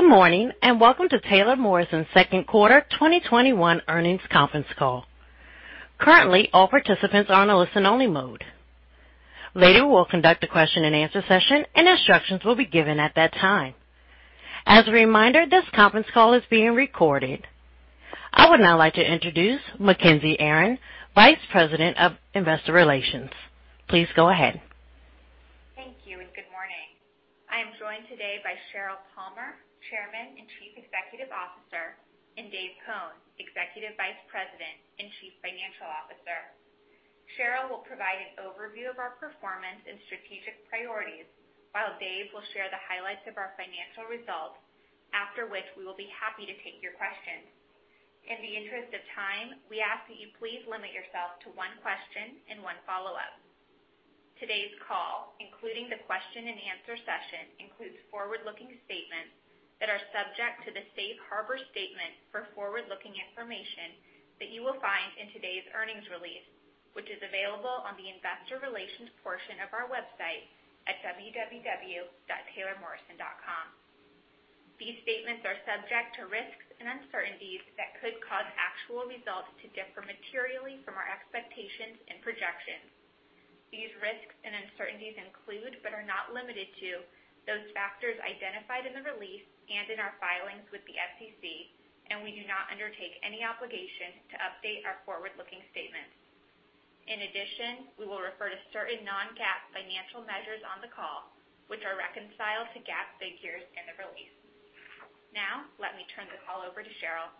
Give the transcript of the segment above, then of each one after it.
Good morning and welcome to Taylor Morrison's second quarter 2021 earnings conference call. Currently, all participants are on a listen-only mode. Later we'll conduct a question-and-answer session, and instructions will be given at that time. As a reminder, this conference call is being recorded. I would now like to introduce Mackenzie Aron, Vice President of Investor Relations. Please go ahead. Thank you and good morning. I am joined today by Sheryl Palmer, Chairman and Chief Executive Officer, and Dave Cone, Executive Vice President and Chief Financial Officer. Sheryl will provide an overview of our performance and strategic priorities, while Dave will share the highlights of our financial results, after which we will be happy to take your questions. In the interest of time, we ask that you please limit yourself to one question and one follow-up. Today's call, including the question-and-answer session, includes forward-looking statements that are subject to the Safe Harbor Statement for forward-looking information that you will find in today's earnings release, which is available on the Investor Relations portion of our website at www.taylormorrison.com. These statements are subject to risks and uncertainties that could cause actual results to differ materially from our expectations and projections. These risks and uncertainties include, but are not limited to, those factors identified in the release and in our filings with the SEC, and we do not undertake any obligation to update our forward-looking statements. In addition, we will refer to certain non-GAAP financial measures on the call, which are reconciled to GAAP figures in the release. Now, let me turn the call over to Sheryl.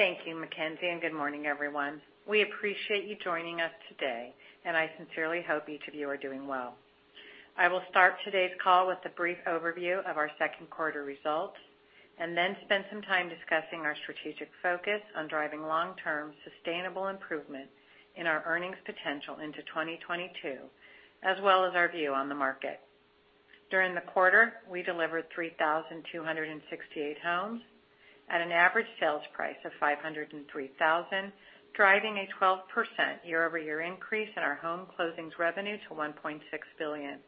Thank you, Mackenzie, and good morning, everyone. We appreciate you joining us today, and I sincerely hope each of you are doing well. I will start today's call with a brief overview of our second quarter results and then spend some time discussing our strategic focus on driving long-term sustainable improvement in our earnings potential into 2022, as well as our view on the market. During the quarter, we delivered 3,268 homes at an average sales price of $503,000, driving a 12% year-over-year increase in our home closings revenue to $1.6 billion.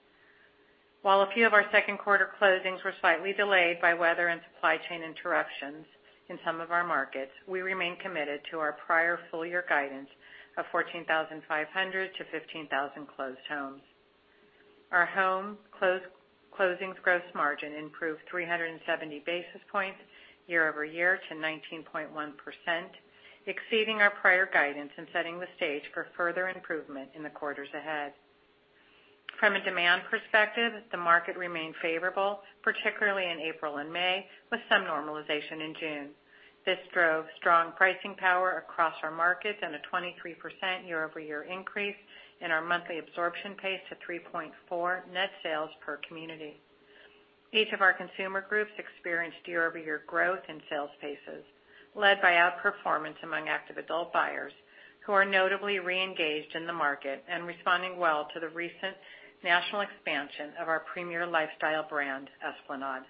While a few of our second quarter closings were slightly delayed by weather and supply chain interruptions in some of our markets, we remain committed to our prior full-year guidance of 14,500-15,000 closed homes. Our home closings gross margin improved 370 basis points year-over-year to 19.1%, exceeding our prior guidance and setting the stage for further improvement in the quarters ahead. From a demand perspective, the market remained favorable, particularly in April and May, with some normalization in June. This drove strong pricing power across our market and a 23% year-over-year increase in our monthly absorption pace to 3.4 net sales per community. Each of our consumer groups experienced year-over-year growth in sales paces, led by outperformance among active adult buyers, who are notably re-engaged in the market and responding well to the recent national expansion of our premier lifestyle brand, Esplanade.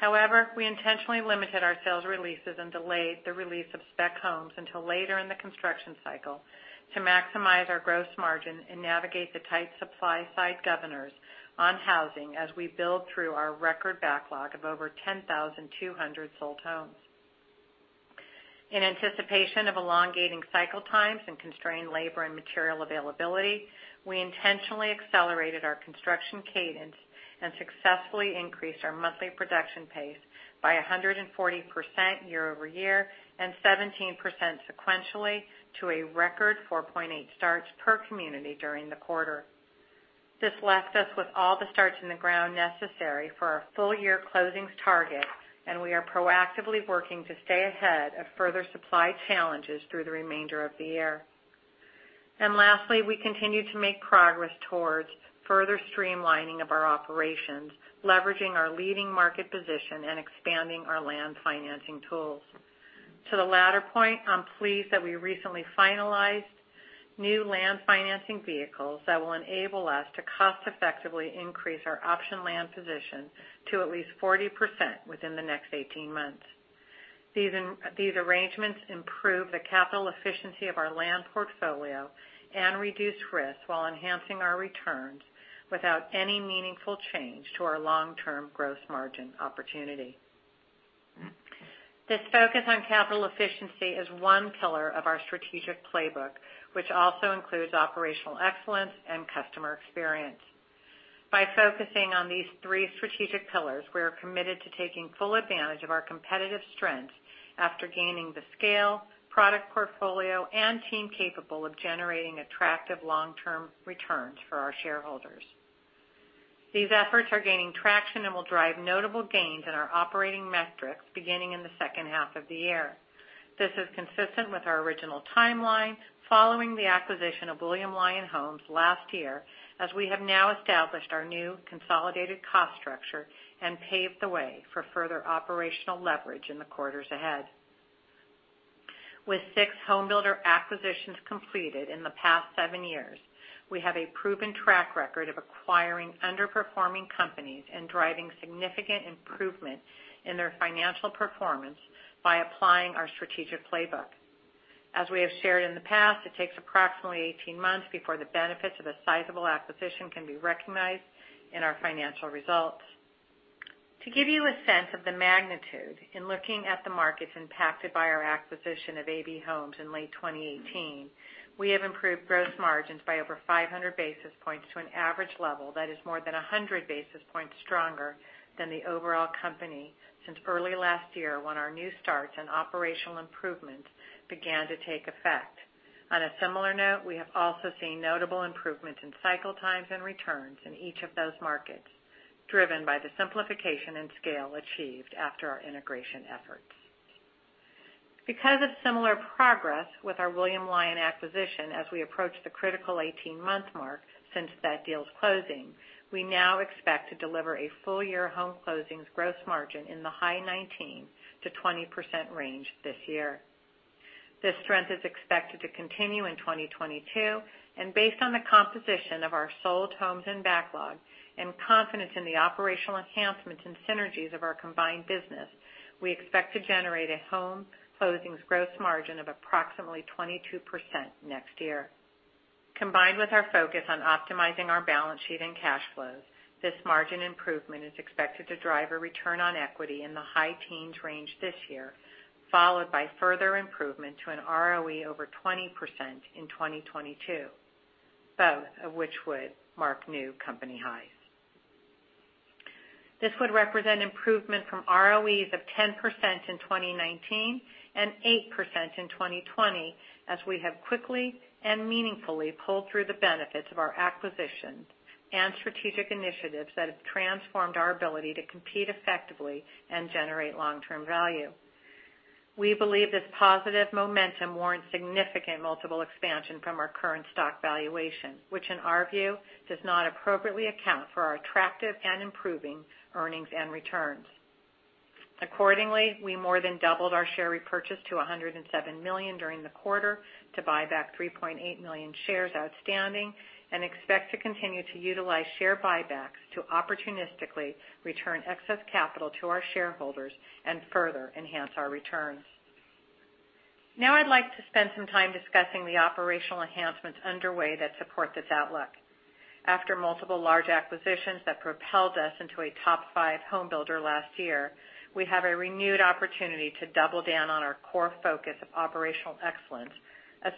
However, we intentionally limited our sales releases and delayed the release of Spec Homes until later in the construction cycle to maximize our Gross Margin and navigate the tight supply-side governors on housing as we build through our record Backlog of over 10,200 sold homes. In anticipation of elongating Cycle Times and constrained labor and material availability, we intentionally accelerated our construction cadence and successfully increased our monthly production pace by 140% year-over-year and 17% sequentially to a record 4.8 starts per community during the quarter. This left us with all the starts in the ground necessary for our full-year closings target, and we are proactively working to stay ahead of further supply challenges through the remainder of the year, and lastly, we continue to make progress towards further streamlining of our operations, leveraging our leading market position and expanding our land financing tools. To the latter point, I'm pleased that we recently finalized new land financing vehicles that will enable us to cost-effectively increase our option land position to at least 40% within the next 18 months. These arrangements improve the capital efficiency of our land portfolio and reduce risk while enhancing our returns without any meaningful change to our long-term gross margin opportunity. This focus on capital efficiency is one pillar of our strategic playbook, which also includes operational excellence and customer experience. By focusing on these three strategic pillars, we are committed to taking full advantage of our competitive strengths after gaining the scale, product portfolio, and team capable of generating attractive long-term returns for our shareholders. These efforts are gaining traction and will drive notable gains in our operating metrics beginning in the second half of the year. This is consistent with our original timeline following the acquisition of William Lyon Homes last year, as we have now established our new consolidated cost structure and paved the way for further operational leverage in the quarters ahead. With six homebuilder acquisitions completed in the past seven years, we have a proven track record of acquiring underperforming companies and driving significant improvement in their financial performance by applying our strategic playbook. As we have shared in the past, it takes approximately 18 months before the benefits of a sizable acquisition can be recognized in our financial results. To give you a sense of the magnitude in looking at the markets impacted by our acquisition of AV Homes in late 2018, we have improved gross margins by over 500 basis points to an average level that is more than 100 basis points stronger than the overall company since early last year when our new starts and operational improvements began to take effect. On a similar note, we have also seen notable improvements in cycle times and returns in each of those markets, driven by the simplification in scale achieved after our integration efforts. Because of similar progress with our William Lyon acquisition as we approach the critical 18-month mark since that deal's closing, we now expect to deliver a full-year home closings gross margin in the high 19%-20% range this year. This strength is expected to continue in 2022, and based on the composition of our sold homes and backlog and confidence in the operational enhancements and synergies of our combined business, we expect to generate a home closings gross margin of approximately 22% next year. Combined with our focus on optimizing our balance sheet and cash flows, this margin improvement is expected to drive a return on equity in the high teens range this year, followed by further improvement to an ROE over 20% in 2022, both of which would mark new company highs. This would represent improvement from ROEs of 10% in 2019 and 8% in 2020, as we have quickly and meaningfully pulled through the benefits of our acquisitions and strategic initiatives that have transformed our ability to compete effectively and generate long-term value. We believe this positive momentum warrants significant multiple expansion from our current stock valuation, which in our view does not appropriately account for our attractive and improving earnings and returns. Accordingly, we more than doubled our share repurchase to $107 million during the quarter to buy back 3.8 million shares outstanding and expect to continue to utilize share buybacks to opportunistically return excess capital to our shareholders and further enhance our returns. Now I'd like to spend some time discussing the operational enhancements underway that support this outlook. After multiple large acquisitions that propelled us into a top five homebuilder last year, we have a renewed opportunity to double down on our core focus of operational excellence,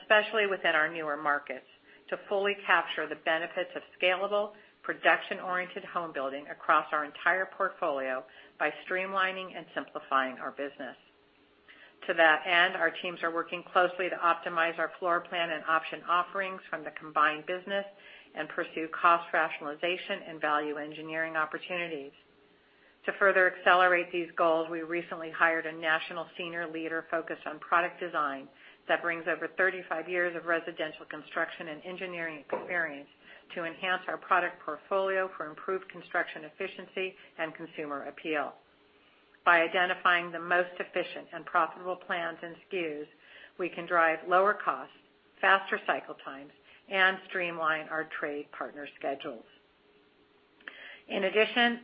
especially within our newer markets, to fully capture the benefits of scalable, production-oriented homebuilding across our entire portfolio by streamlining and simplifying our business. To that end, our teams are working closely to optimize our floor plan and option offerings from the combined business and pursue cost rationalization and value engineering opportunities. To further accelerate these goals, we recently hired a national senior leader focused on product design that brings over 35 years of residential construction and engineering experience to enhance our product portfolio for improved construction efficiency and consumer appeal. By identifying the most efficient and profitable plans and SKUs, we can drive lower costs, faster cycle times, and streamline our trade partner schedules. In addition,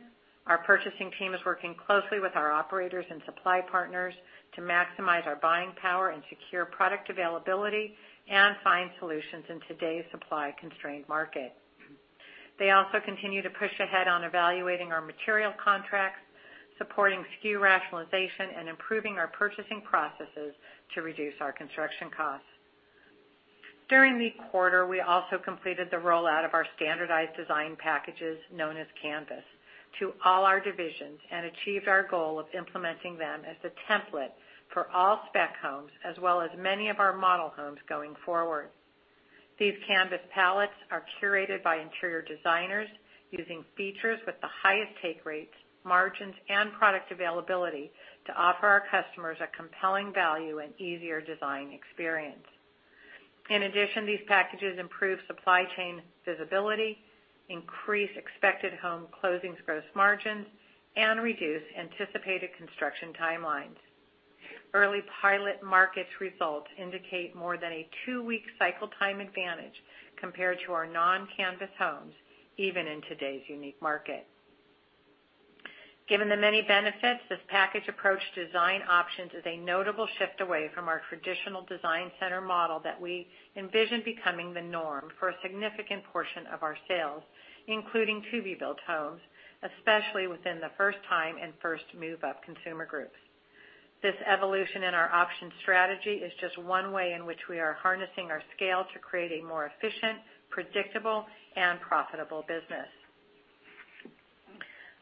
our purchasing team is working closely with our operators and supply partners to maximize our buying power and secure product availability and find solutions in today's supply-constrained market. They also continue to push ahead on evaluating our material contracts, supporting SKU rationalization, and improving our purchasing processes to reduce our construction costs. During the quarter, we also completed the rollout of our standardized design packages known as Canvas to all our divisions and achieved our goal of implementing them as the template for all spec homes as well as many of our model homes going forward. These Canvas palettes are curated by interior designers using features with the highest take rates, margins, and product availability to offer our customers a compelling value and easier design experience. In addition, these packages improve supply chain visibility, increase expected home closings gross margins, and reduce anticipated construction timelines. Early pilot markets results indicate more than a two-week cycle time advantage compared to our non-Canvas homes, even in today's unique market. Given the many benefits, this package approach to design options is a notable shift away from our traditional design center model that we envisioned becoming the norm for a significant portion of our sales, including to-be-built homes, especially within the first-time and first-move-up consumer groups. This evolution in our option strategy is just one way in which we are harnessing our scale to create a more efficient, predictable, and profitable business.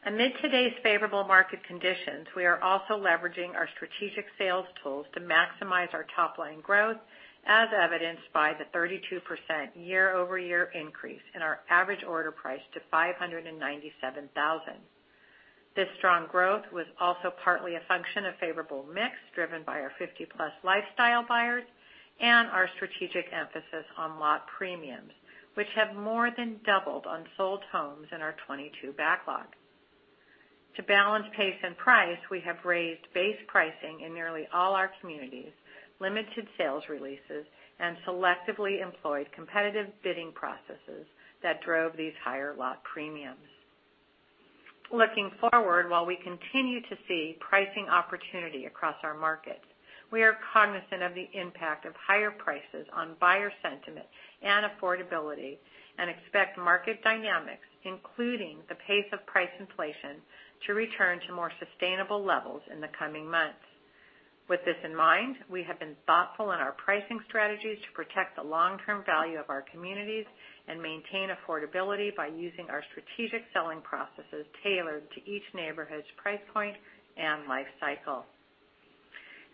Amid today's favorable market conditions, we are also leveraging our strategic sales tools to maximize our top-line growth, as evidenced by the 32% year-over-year increase in our average order price to $597,000. This strong growth was also partly a function of favorable mix driven by our 50-plus lifestyle buyers and our strategic emphasis on lot premiums, which have more than doubled on sold homes in our 2022 backlog. To balance pace and price, we have raised base pricing in nearly all our communities, limited sales releases, and selectively employed competitive bidding processes that drove these higher lot premiums. Looking forward, while we continue to see pricing opportunity across our markets, we are cognizant of the impact of higher prices on buyer sentiment and affordability and expect market dynamics, including the pace of price inflation, to return to more sustainable levels in the coming months. With this in mind, we have been thoughtful in our pricing strategies to protect the long-term value of our communities and maintain affordability by using our strategic selling processes tailored to each neighborhood's price point and life cycle.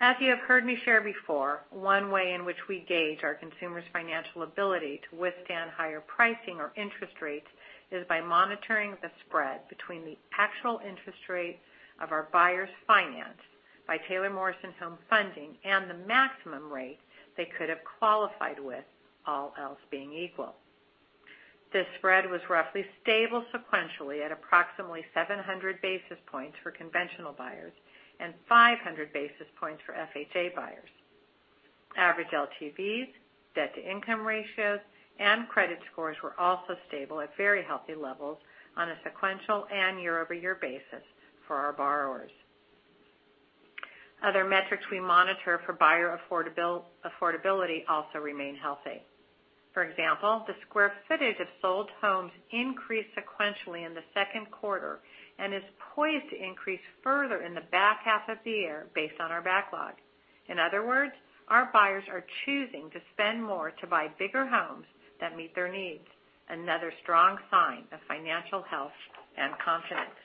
As you have heard me share before, one way in which we gauge our consumers' financial ability to withstand higher pricing or interest rates is by monitoring the spread between the actual interest rate of our buyers financed by Taylor Morrison Home Funding and the maximum rate they could have qualified with, all else being equal. This spread was roughly stable sequentially at approximately 700 basis points for conventional buyers and 500 basis points for FHA buyers. Average LTVs, debt-to-income ratios, and credit scores were also stable at very healthy levels on a sequential and year-over-year basis for our borrowers. Other metrics we monitor for buyer affordability also remain healthy. For example, the square footage of sold homes increased sequentially in the second quarter and is poised to increase further in the back half of the year based on our backlog. In other words, our buyers are choosing to spend more to buy bigger homes that meet their needs, another strong sign of financial health and confidence,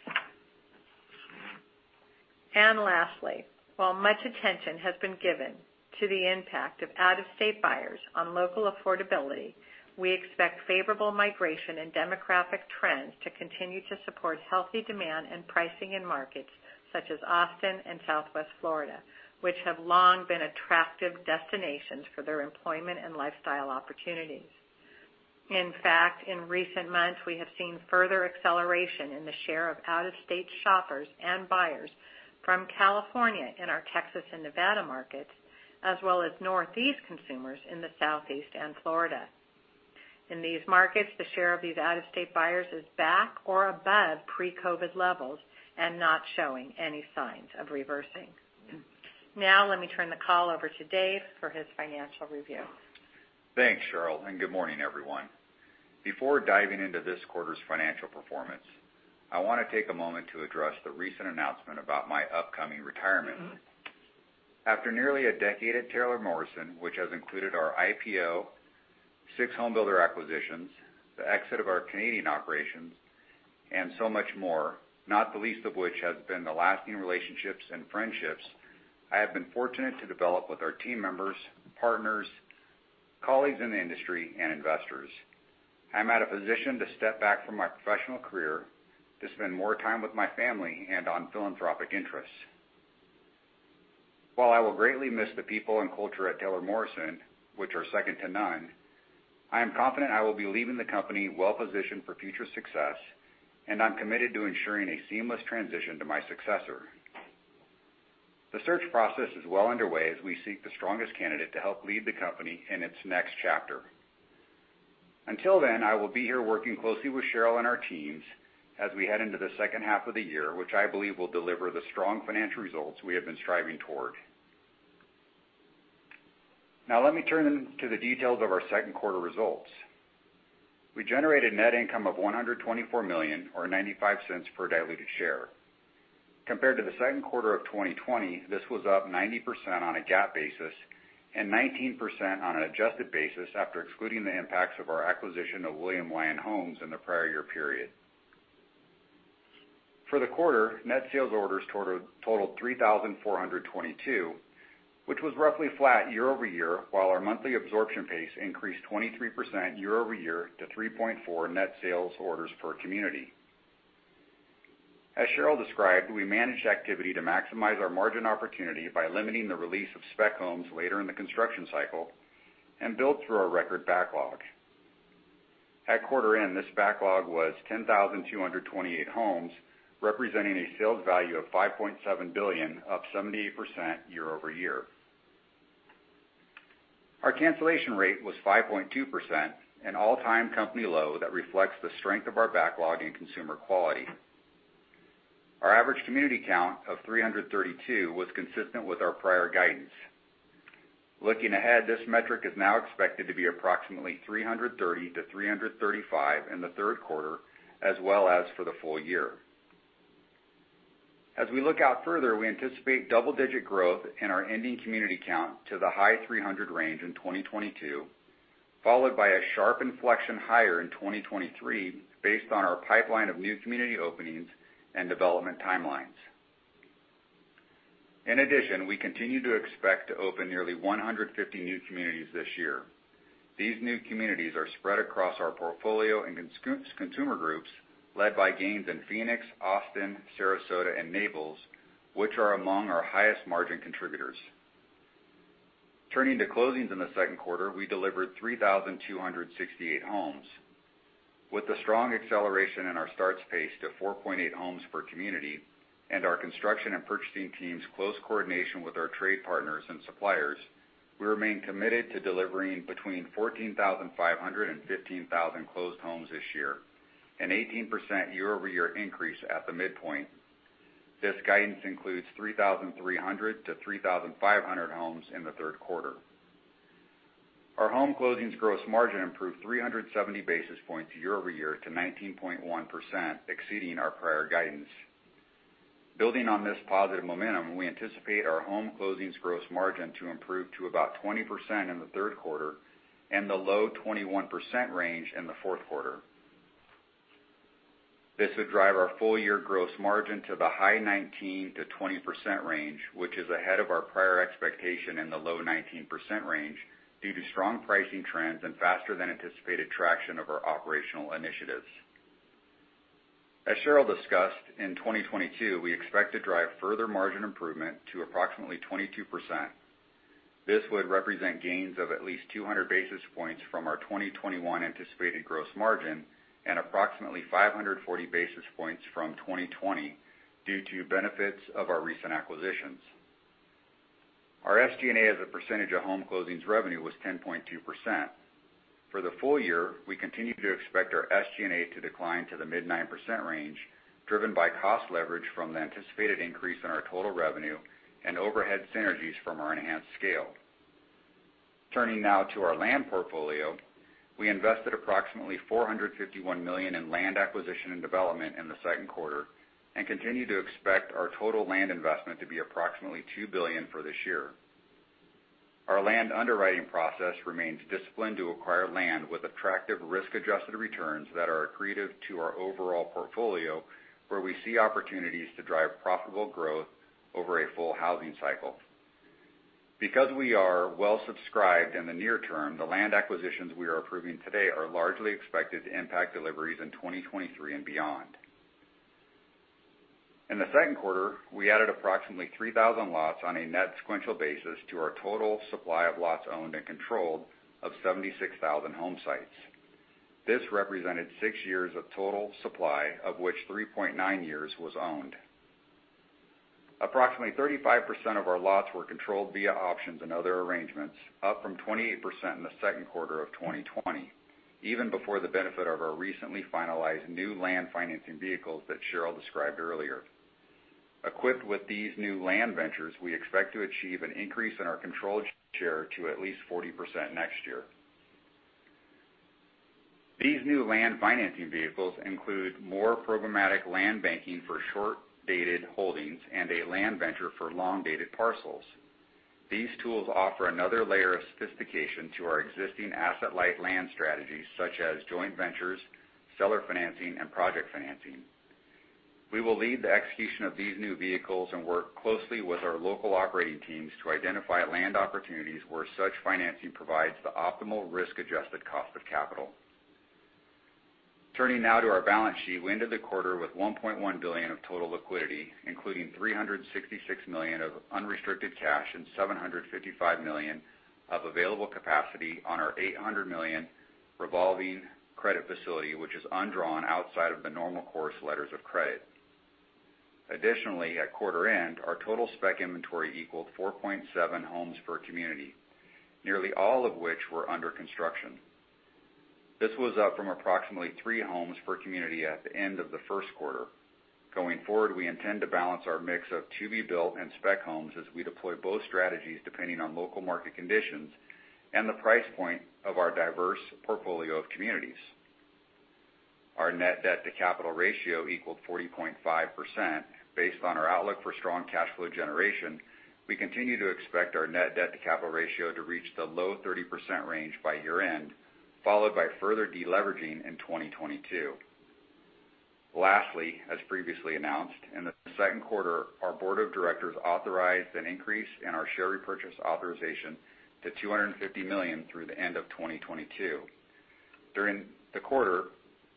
and lastly, while much attention has been given to the impact of out-of-state buyers on local affordability, we expect favorable migration and demographic trends to continue to support healthy demand and pricing in markets such as Austin and Southwest Florida, which have long been attractive destinations for their employment and lifestyle opportunities. In fact, in recent months, we have seen further acceleration in the share of out-of-state shoppers and buyers from California in our Texas and Nevada markets, as well as Northeast consumers in the Southeast and Florida. In these markets, the share of these out-of-state buyers is back or above pre-COVID levels and not showing any signs of reversing. Now let me turn the call over to Dave for his financial review. Thanks, Sheryl, and good morning, everyone. Before diving into this quarter's financial performance, I want to take a moment to address the recent announcement about my upcoming retirement. After nearly a decade at Taylor Morrison, which has included our IPO, six homebuilder acquisitions, the exit of our Canadian operations, and so much more, not the least of which has been the lasting relationships and friendships I have been fortunate to develop with our team members, partners, colleagues in the industry, and investors. I'm at a position to step back from my professional career, to spend more time with my family, and on philanthropic interests. While I will greatly miss the people and culture at Taylor Morrison, which are second to none, I am confident I will be leaving the company well-positioned for future success, and I'm committed to ensuring a seamless transition to my successor. The search process is well underway as we seek the strongest candidate to help lead the company in its next chapter. Until then, I will be here working closely with Sheryl and our teams as we head into the second half of the year, which I believe will deliver the strong financial results we have been striving toward. Now let me turn to the details of our second quarter results. We generated net income of $124 million, or $0.95 per diluted share. Compared to the second quarter of 2020, this was up 90% on a GAAP basis and 19% on an adjusted basis after excluding the impacts of our acquisition of William Lyon Homes in the prior year period. For the quarter, net sales orders totaled $3,422, which was roughly flat year-over-year, while our monthly absorption pace increased 23% year-over-year to 3.4 net sales orders per community. As Sheryl described, we managed activity to maximize our margin opportunity by limiting the release of spec homes later in the construction cycle and built through our record backlog. At quarter end, this backlog was 10,228 homes, representing a sales value of $5.7 billion, up 78% year-over-year. Our cancellation rate was 5.2%, an all-time company low that reflects the strength of our backlog and consumer quality. Our average community count of 332 was consistent with our prior guidance. Looking ahead, this metric is now expected to be approximately 330-335 in the third quarter, as well as for the full year. As we look out further, we anticipate double-digit growth in our ending community count to the high 300 range in 2022, followed by a sharp inflection higher in 2023 based on our pipeline of new community openings and development timelines. In addition, we continue to expect to open nearly 150 new communities this year. These new communities are spread across our portfolio and consumer groups led by Denver and Phoenix, Austin, Sarasota, and Naples, which are among our highest margin contributors. Turning to closings in the second quarter, we delivered 3,268 homes. With a strong acceleration in our start pace to 4.8 homes per community and our construction and purchasing teams' close coordination with our trade partners and suppliers, we remain committed to delivering between 14,500-15,000 closed homes this year, an 18% year-over-year increase at the midpoint. This guidance includes 3,300-3,500 homes in the third quarter. Our home closings gross margin improved 370 basis points year-over-year to 19.1%, exceeding our prior guidance. Building on this positive momentum, we anticipate our home closings gross margin to improve to about 20% in the third quarter and the low 21% range in the fourth quarter. This would drive our full-year gross margin to the high 19%-20% range, which is ahead of our prior expectation in the low 19% range due to strong pricing trends and faster-than-anticipated traction of our operational initiatives. As Sheryl discussed, in 2022, we expect to drive further margin improvement to approximately 22%. This would represent gains of at least 200 basis points from our 2021 anticipated gross margin and approximately 540 basis points from 2020 due to benefits of our recent acquisitions. Our SG&A as a percentage of home closings revenue was 10.2%. For the full year, we continue to expect our SG&A to decline to the mid-9% range, driven by cost leverage from the anticipated increase in our total revenue and overhead synergies from our enhanced scale. Turning now to our land portfolio, we invested approximately $451 million in land acquisition and development in the second quarter and continue to expect our total land investment to be approximately $2 billion for this year. Our land underwriting process remains disciplined to acquire land with attractive risk-adjusted returns that are accretive to our overall portfolio, where we see opportunities to drive profitable growth over a full housing cycle. Because we are well-subscribed in the near term, the land acquisitions we are approving today are largely expected to impact deliveries in 2023 and beyond. In the second quarter, we added approximately 3,000 lots on a net sequential basis to our total supply of lots owned and controlled of 76,000 home sites. This represented six years of total supply, of which 3.9 years was owned. Approximately 35% of our lots were controlled via options and other arrangements, up from 28% in the second quarter of 2020, even before the benefit of our recently finalized new land financing vehicles that Sheryl described earlier. Equipped with these new land ventures, we expect to achieve an increase in our controlled share to at least 40% next year. These new land financing vehicles include more programmatic land banking for short-dated holdings and a land venture for long-dated parcels. These tools offer another layer of sophistication to our existing asset-light land strategies, such as joint ventures, seller financing, and project financing. We will lead the execution of these new vehicles and work closely with our local operating teams to identify land opportunities where such financing provides the optimal risk-adjusted cost of capital. Turning now to our balance sheet, we ended the quarter with $1.1 billion of total liquidity, including $366 million of unrestricted cash and $755 million of available capacity on our $800 million revolving credit facility, which is undrawn outside of the normal course letters of credit. Additionally, at quarter end, our total spec inventory equaled 4.7 homes per community, nearly all of which were under construction. This was up from approximately three homes per community at the end of the first quarter. Going forward, we intend to balance our mix of to-be-built and spec homes as we deploy both strategies depending on local market conditions and the price point of our diverse portfolio of communities. Our net debt-to-capital ratio equaled 40.5%. Based on our outlook for strong cash flow generation, we continue to expect our net debt-to-capital ratio to reach the low 30% range by year-end, followed by further deleveraging in 2022. Lastly, as previously announced, in the second quarter, our board of directors authorized an increase in our share repurchase authorization to $250 million through the end of 2022. During the quarter,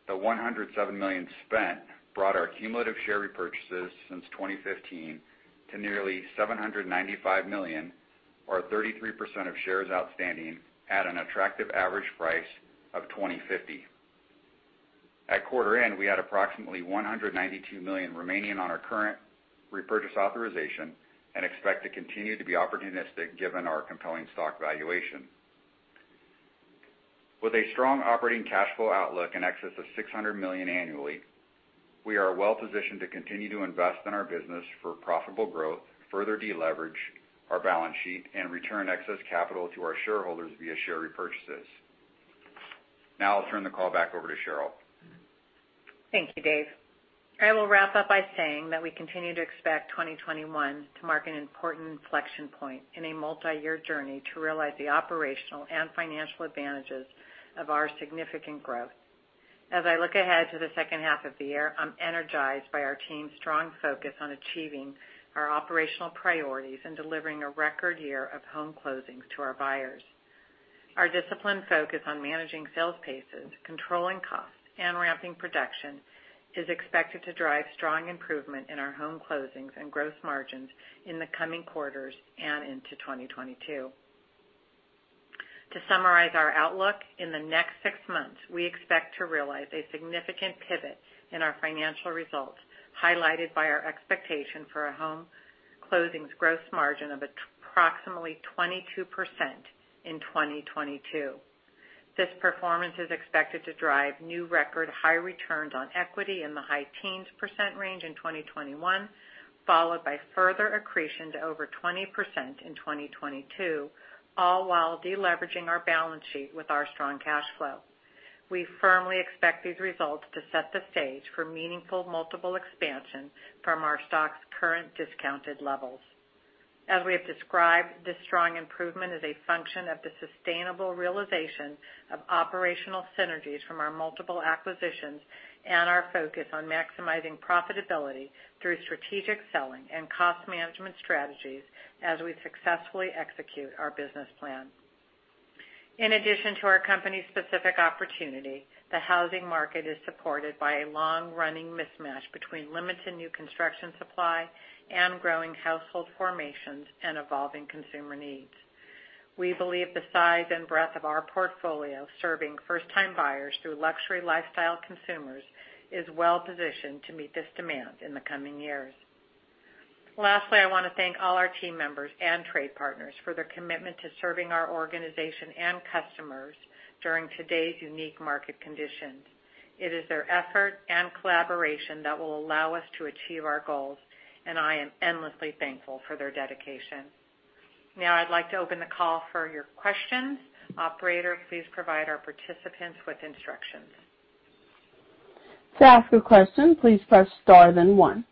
the $107 million spent brought our cumulative share repurchases since 2015 to nearly $795 million, or 33% of shares outstanding, at an attractive average price of $20.50. At quarter end, we had approximately $192 million remaining on our current repurchase authorization and expect to continue to be opportunistic given our compelling stock valuation. With a strong operating cash flow outlook and excess of $600 million annually, we are well-positioned to continue to invest in our business for profitable growth, further deleverage our balance sheet, and return excess capital to our shareholders via share repurchases. Now I'll turn the call back over to Sheryl. Thank you, Dave. I will wrap up by saying that we continue to expect 2021 to mark an important inflection point in a multi-year journey to realize the operational and financial advantages of our significant growth. As I look ahead to the second half of the year, I'm energized by our team's strong focus on achieving our operational priorities and delivering a record year of home closings to our buyers. Our disciplined focus on managing sales paces, controlling costs, and ramping production is expected to drive strong improvement in our home closings and gross margins in the coming quarters and into 2022. To summarize our outlook, in the next six months, we expect to realize a significant pivot in our financial results, highlighted by our expectation for our home closings gross margin of approximately 22% in 2022. This performance is expected to drive new record high returns on equity in the high teens% range in 2021, followed by further accretion to over 20% in 2022, all while deleveraging our balance sheet with our strong cash flow. We firmly expect these results to set the stage for meaningful multiple expansion from our stock's current discounted levels. As we have described, this strong improvement is a function of the sustainable realization of operational synergies from our multiple acquisitions and our focus on maximizing profitability through strategic selling and cost management strategies as we successfully execute our business plan. In addition to our company-specific opportunity, the housing market is supported by a long-running mismatch between limited new construction supply and growing household formations and evolving consumer needs. We believe the size and breadth of our portfolio, serving first-time buyers through luxury lifestyle consumers, is well-positioned to meet this demand in the coming years. Lastly, I want to thank all our team members and trade partners for their commitment to serving our organization and customers during today's unique market conditions. It is their effort and collaboration that will allow us to achieve our goals, and I am endlessly thankful for their dedication. Now I'd like to open the call for your questions. Operator, please provide our participants with instructions. To ask a question, please press star then one.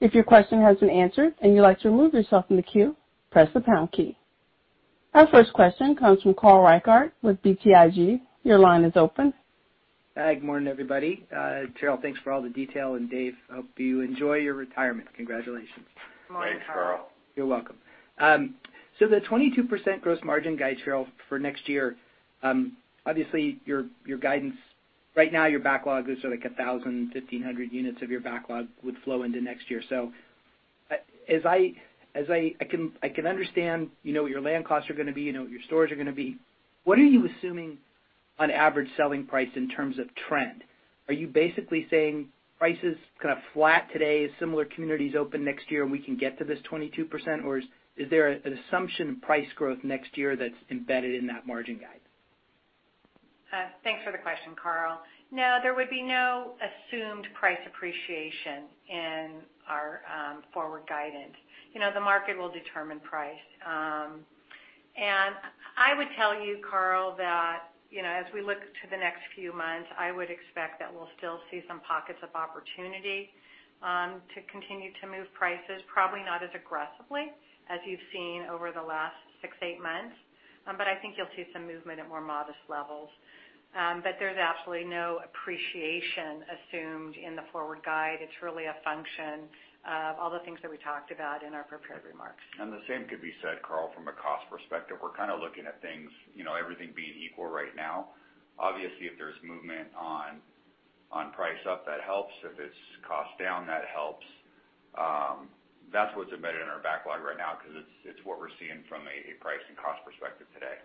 If your question has been answered and you'd like to remove yourself from the queue, press the pound key. Our first question comes from Carl Reichardt with BTIG. Your line is open. Hi, good morning, everybody. Sheryl, thanks for all the detail, and Dave, I hope you enjoy your retirement. Congratulations. Thanks, Carl. You're welcome. So the 22% gross margin guide, Sheryl, for next year, obviously your guidance right now, your backlog is sort of like 1,000-1,500 units of your backlog would flow into next year. So as I can understand, you know what your land costs are going to be, you know what your costs are going to be. What are you assuming on average selling price in terms of trend? Are you basically saying prices kind of flat today, similar communities open next year, and we can get to this 22%, or is there an assumption of price growth next year that's embedded in that margin guide? Thanks for the question, Carl. No, there would be no assumed price appreciation in our forward guidance. The market will determine price. And I would tell you, Carl, that as we look to the next few months, I would expect that we'll still see some pockets of opportunity to continue to move prices, probably not as aggressively as you've seen over the last six, eight months, but I think you'll see some movement at more modest levels. But there's absolutely no appreciation assumed in the forward guide. It's really a function of all the things that we talked about in our prepared remarks. And the same could be said, Carl, from a cost perspective. We're kind of looking at things, everything being equal right now. Obviously, if there's movement on price up, that helps. If it's cost down, that helps. That's what's embedded in our backlog right now because it's what we're seeing from a price and cost perspective today.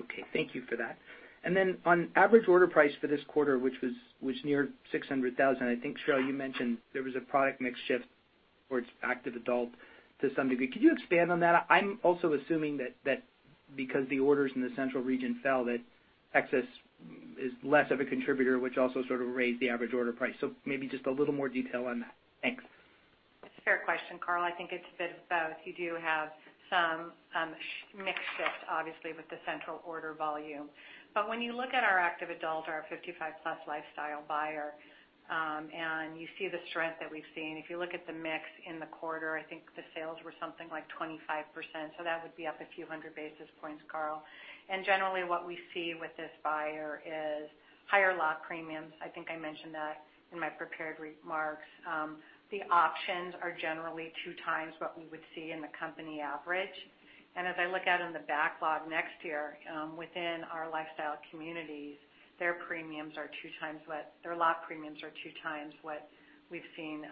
Okay. Thank you for that. And then on average order price for this quarter, which was near $600,000, I think, Sheryl, you mentioned there was a product mix shift towards active adult to some degree. Could you expand on that? I'm also assuming that because the orders in the central region fell, that Texas is less of a contributor, which also sort of raised the average order price. So maybe just a little more detail on that. Thanks. Fair question, Carl. I think it's a bit of both. You do have some mix shift, obviously, with the spec order volume. But when you look at our active adult, our 55-plus lifestyle buyer, and you see the strength that we've seen, if you look at the mix in the quarter, I think the sales were something like 25%. So that would be up a few hundred basis points, Carl. And generally, what we see with this buyer is higher lot premiums. I think I mentioned that in my prepared remarks. The options are generally two times what we would see in the company average. And as I look at it in the backlog next year, within our lifestyle communities, their premiums are two times what their lot premiums are two times what we've seen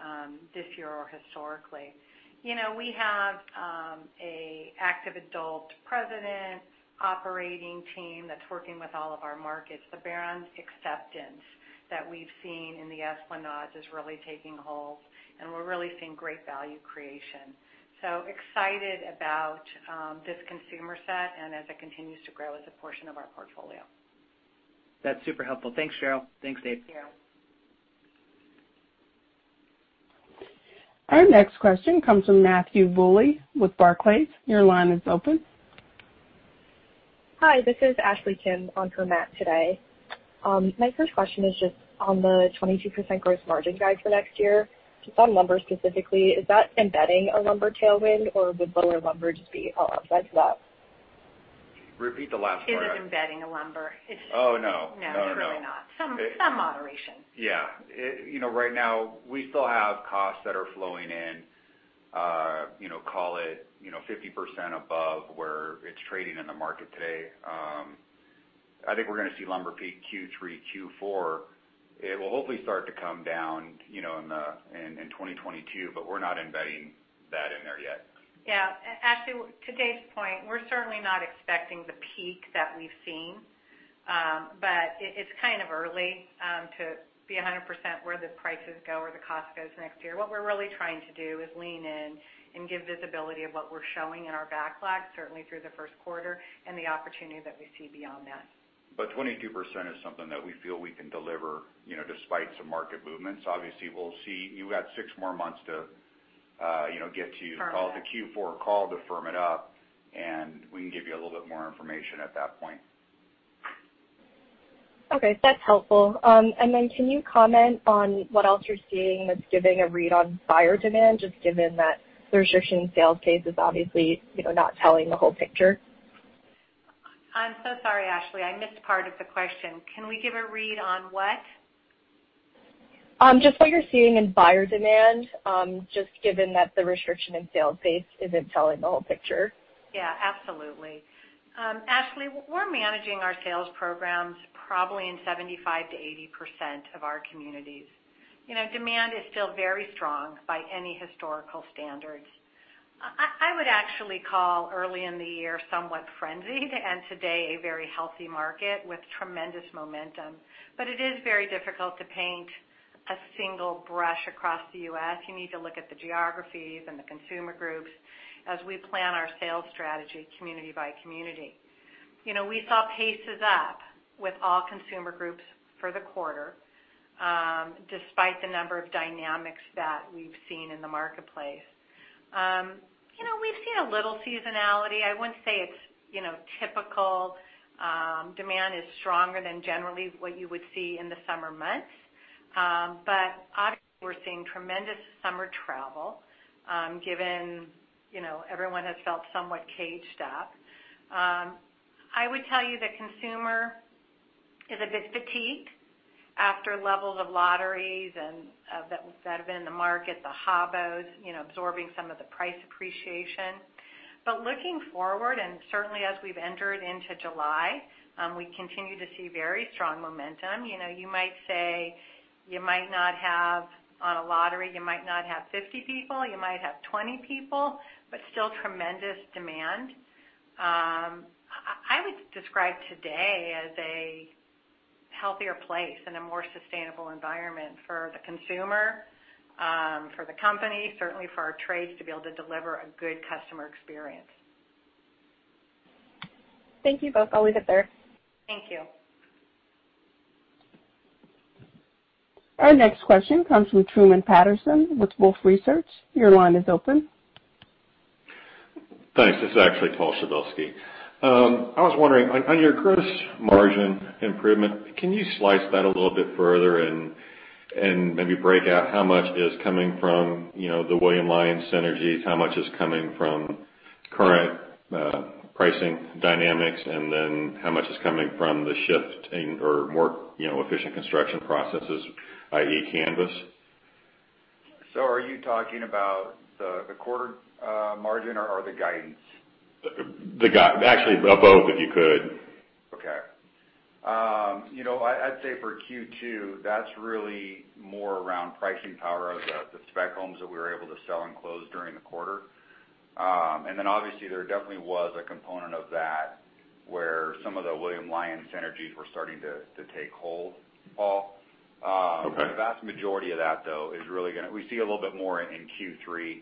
this year or historically. We have an active adult president operating team that's working with all of our markets. The buyers' acceptance that we've seen in the Esplanades is really taking hold, and we're really seeing great value creation. So excited about this consumer set and as it continues to grow as a portion of our portfolio. That's super helpful. Thanks, Sheryl. Thanks, Dave. Thank you. Our next question comes from Matthew Bouley with Barclays. Your line is open. Hi, this is Ashley Kim on for Matt today. My first question is just on the 22% gross margin guide for next year, just on lumber specifically, is that embedding a lumber tailwind, or would lower lumber just be all outside of that? Repeat the last part. It is embedding a lumber. Oh, no. No, no, no. No, no, no. Some moderation. Yeah. Right now, we still have costs that are flowing in, call it 50% above where it's trading in the market today. I think we're going to see lumber peak Q3, Q4. It will hopefully start to come down in 2022, but we're not embedding that in there yet. Yeah. Actually, to Dave's point, we're certainly not expecting the peak that we've seen, but it's kind of early to be 100% where the prices go or the cost goes next year. What we're really trying to do is lean in and give visibility of what we're showing in our backlog, certainly through the first quarter, and the opportunity that we see beyond that. But 22% is something that we feel we can deliver despite some market movements. Obviously, we'll see. You got six more months to get to call it the Q4 call to firm it up, and we can give you a little bit more information at that point. Okay. That's helpful. Then can you comment on what else you're seeing that's giving a read on buyer demand, just given that the restriction in sales pace obviously not telling the whole picture? I'm so sorry, Ashley. I missed part of the question. Can we give a read on what? Just what you're seeing in buyer demand, just given that the restriction in sales pace isn't telling the whole picture. Yeah, absolutely. Ashley, we're managing our sales programs probably in 75%-80% of our communities. Demand is still very strong by any historical standards. I would actually call early in the year somewhat frenzied and today a very healthy market with tremendous momentum, but it is very difficult to paint with a broad brush across the U.S. You need to look at the geographies and the consumer groups as we plan our sales strategy community by community. We saw paces up with all consumer groups for the quarter, despite the number of dynamics that we've seen in the marketplace. We've seen a little seasonality. I wouldn't say it's typical. Demand is stronger than generally what you would see in the summer months, but obviously we're seeing tremendous summer travel given everyone has felt somewhat caged up. I would tell you that consumer is a bit fatigued after levels of lotteries that have been in the market, the buyers absorbing some of the price appreciation. But looking forward, and certainly as we've entered into July, we continue to see very strong momentum. You might say you might not have a lottery, you might not have 50 people, you might have 20 people, but still tremendous demand. I would describe today as a healthier place and a more sustainable environment for the consumer, for the company, certainly for our trades to be able to deliver a good customer experience. Thank you both. I'll leave it there. Thank you. Our next question comes from Truman Patterson with Wolfe Research. Your line is open. Thanks. This is Paul Szczepanski. I was wondering, on your gross margin improvement, can you slice that a little bit further and maybe break out how much is coming from the William Lyon synergies, how much is coming from current pricing dynamics, and then how much is coming from the shift or more efficient construction processes, i.e., Canvas? So are you talking about the quarter margin or the guidance? Actually, both if you could. Okay. I'd say for Q2, that's really more around pricing power of the spec homes that we were able to sell and close during the quarter, and then obviously, there definitely was a component of that where some of the William Lyon synergies were starting to take hold, Paul. The vast majority of that, though, is really going to we see a little bit more in Q3,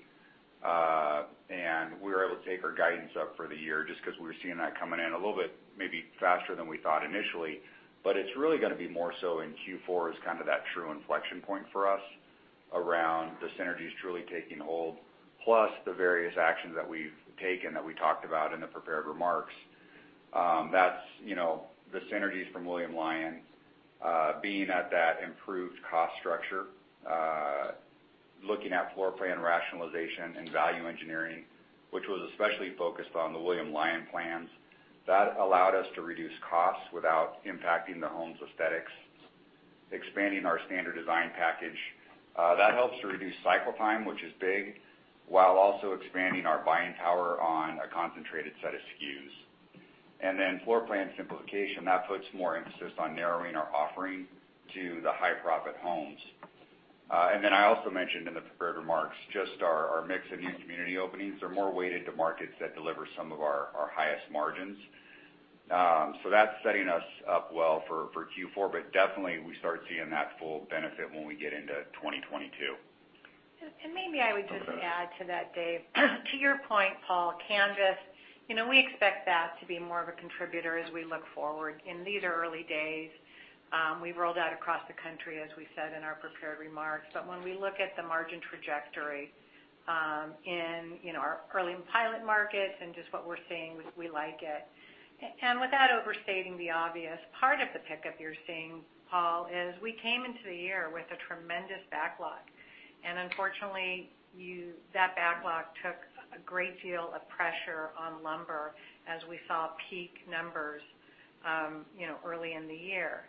and we were able to take our guidance up for the year just because we were seeing that coming in a little bit maybe faster than we thought initially, but it's really going to be more so in Q4 as kind of that true inflection point for us around the synergies truly taking hold, plus the various actions that we've taken that we talked about in the prepared remarks. That's the synergies from William Lyon being at that improved cost structure, looking at floor plan rationalization and value engineering, which was especially focused on the William Lyon plans. That allowed us to reduce costs without impacting the home's aesthetics, expanding our standard design package. That helps to reduce cycle time, which is big, while also expanding our buying power on a concentrated set of SKUs. Floor plan simplification puts more emphasis on narrowing our offering to the high-profit homes. I also mentioned in the prepared remarks just our mix and new community openings. They're more weighted to markets that deliver some of our highest margins. That's setting us up well for Q4, but definitely we start seeing that full benefit when we get into 2022. Maybe I would just add to that, Dave. To your point, Paul, Canvas, we expect that to be more of a contributor as we look forward. These are early days. We've rolled out across the country, as we said in our prepared remarks. When we look at the margin trajectory in our early pilot markets and just what we're seeing, we like it. Without overstating the obvious, part of the pickup you're seeing, Paul, is we came into the year with a tremendous backlog. Unfortunately, that backlog took a great deal of pressure on lumber as we saw peak numbers early in the year.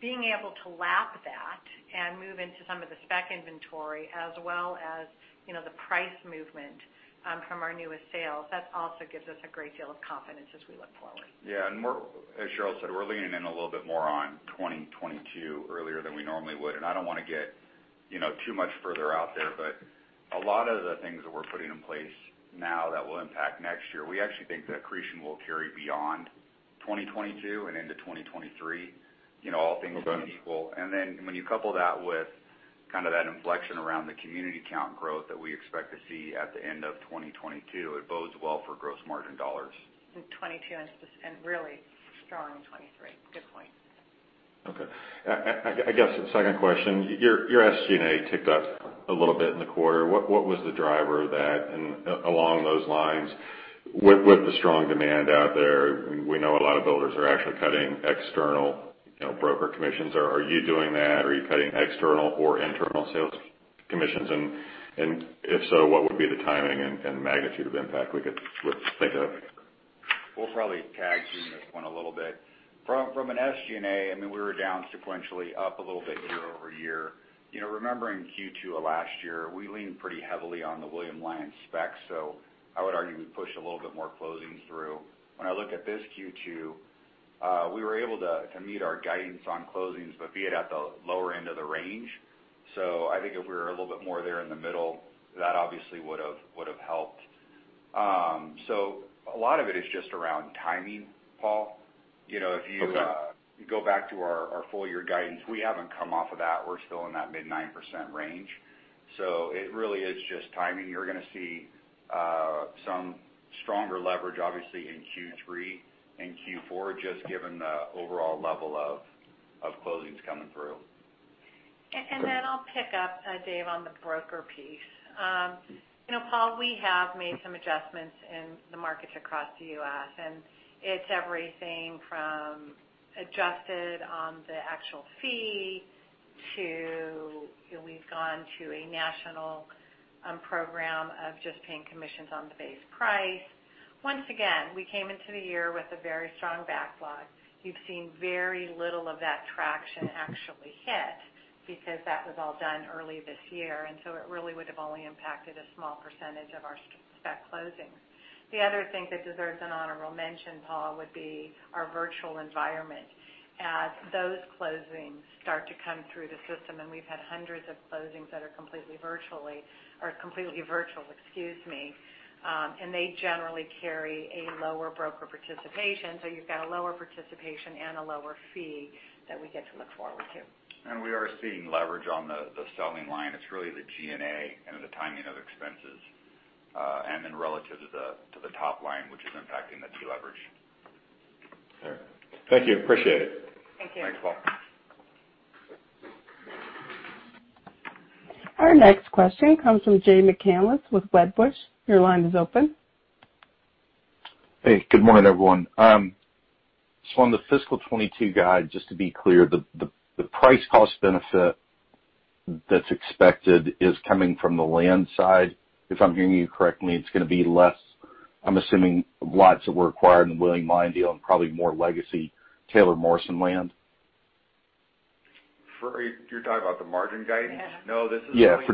Being able to lap that and move into some of the spec inventory as well as the price movement from our newest sales, that also gives us a great deal of confidence as we look forward. Yeah. As Sheryl said, we're leaning in a little bit more on 2022 earlier than we normally would. I don't want to get too much further out there, but a lot of the things that we're putting in place now that will impact next year, we actually think the accretion will carry beyond 2022 and into 2023, all things being equal. Then when you couple that with kind of that inflection around the community count growth that we expect to see at the end of 2022, it bodes well for gross margin dollars, 2022, and really strong in 2023. Good point. Okay. I guess the second question, your SG&A ticked up a little bit in the quarter. What was the driver of that? And along those lines, with the strong demand out there, we know a lot of builders are actually cutting external broker commissions. Are you doing that? Are you cutting external or internal sales commissions? And if so, what would be the timing and magnitude of impact we could think of? We'll probably turn to you in this one a little bit. From an SG&A, I mean, we were down sequentially, up a little bit year-over-year. Remembering Q2 of last year, we leaned pretty heavily on the William Lyon spec, so I would argue we pushed a little bit more closings through. When I look at this Q2, we were able to meet our guidance on closings, but albeit at the lower end of the range. So I think if we were a little bit more there in the middle, that obviously would have helped. So a lot of it is just around timing, Paul. If you go back to our full year guidance, we haven't come off of that. We're still in that mid-9% range, so it really is just timing. You're going to see some stronger leverage, obviously, in Q3 and Q4, just given the overall level of closings coming through, and then I'll pick up, Dave, on the broker piece. Paul, we have made some adjustments in the markets across the U.S., and it's everything from adjusted on the actual fee to we've gone to a national program of just paying commissions on the base price. Once again, we came into the year with a very strong backlog. You've seen very little of that traction actually hit because that was all done early this year, and so it really would have only impacted a small percentage of our spec closings. The other thing that deserves an honorable mention, Paul, would be our virtual environment as those closings start to come through the system, and we've had hundreds of closings that are completely virtually or completely virtual, excuse me. And they generally carry a lower broker participation, so you've got a lower participation and a lower fee that we get to look forward to. And we are seeing leverage on the selling line. It's really the G&A and the timing of expenses and then relative to the top line, which is impacting the T leverage. Thank you. Appreciate it. Thank you. Thanks, Paul. Our next question comes from Jay McCanless with Wedbush. Your line is open. Hey, good morning, everyone. So on the fiscal 2022 guide, just to be clear, the price cost benefit that's expected is coming from the land side. If I'm hearing you correctly, it's going to be less, I'm assuming, lots that were acquired in the William Lyon deal and probably more legacy Taylor Morrison land. You're talking about the margin guidance? Yeah. No, this is the actions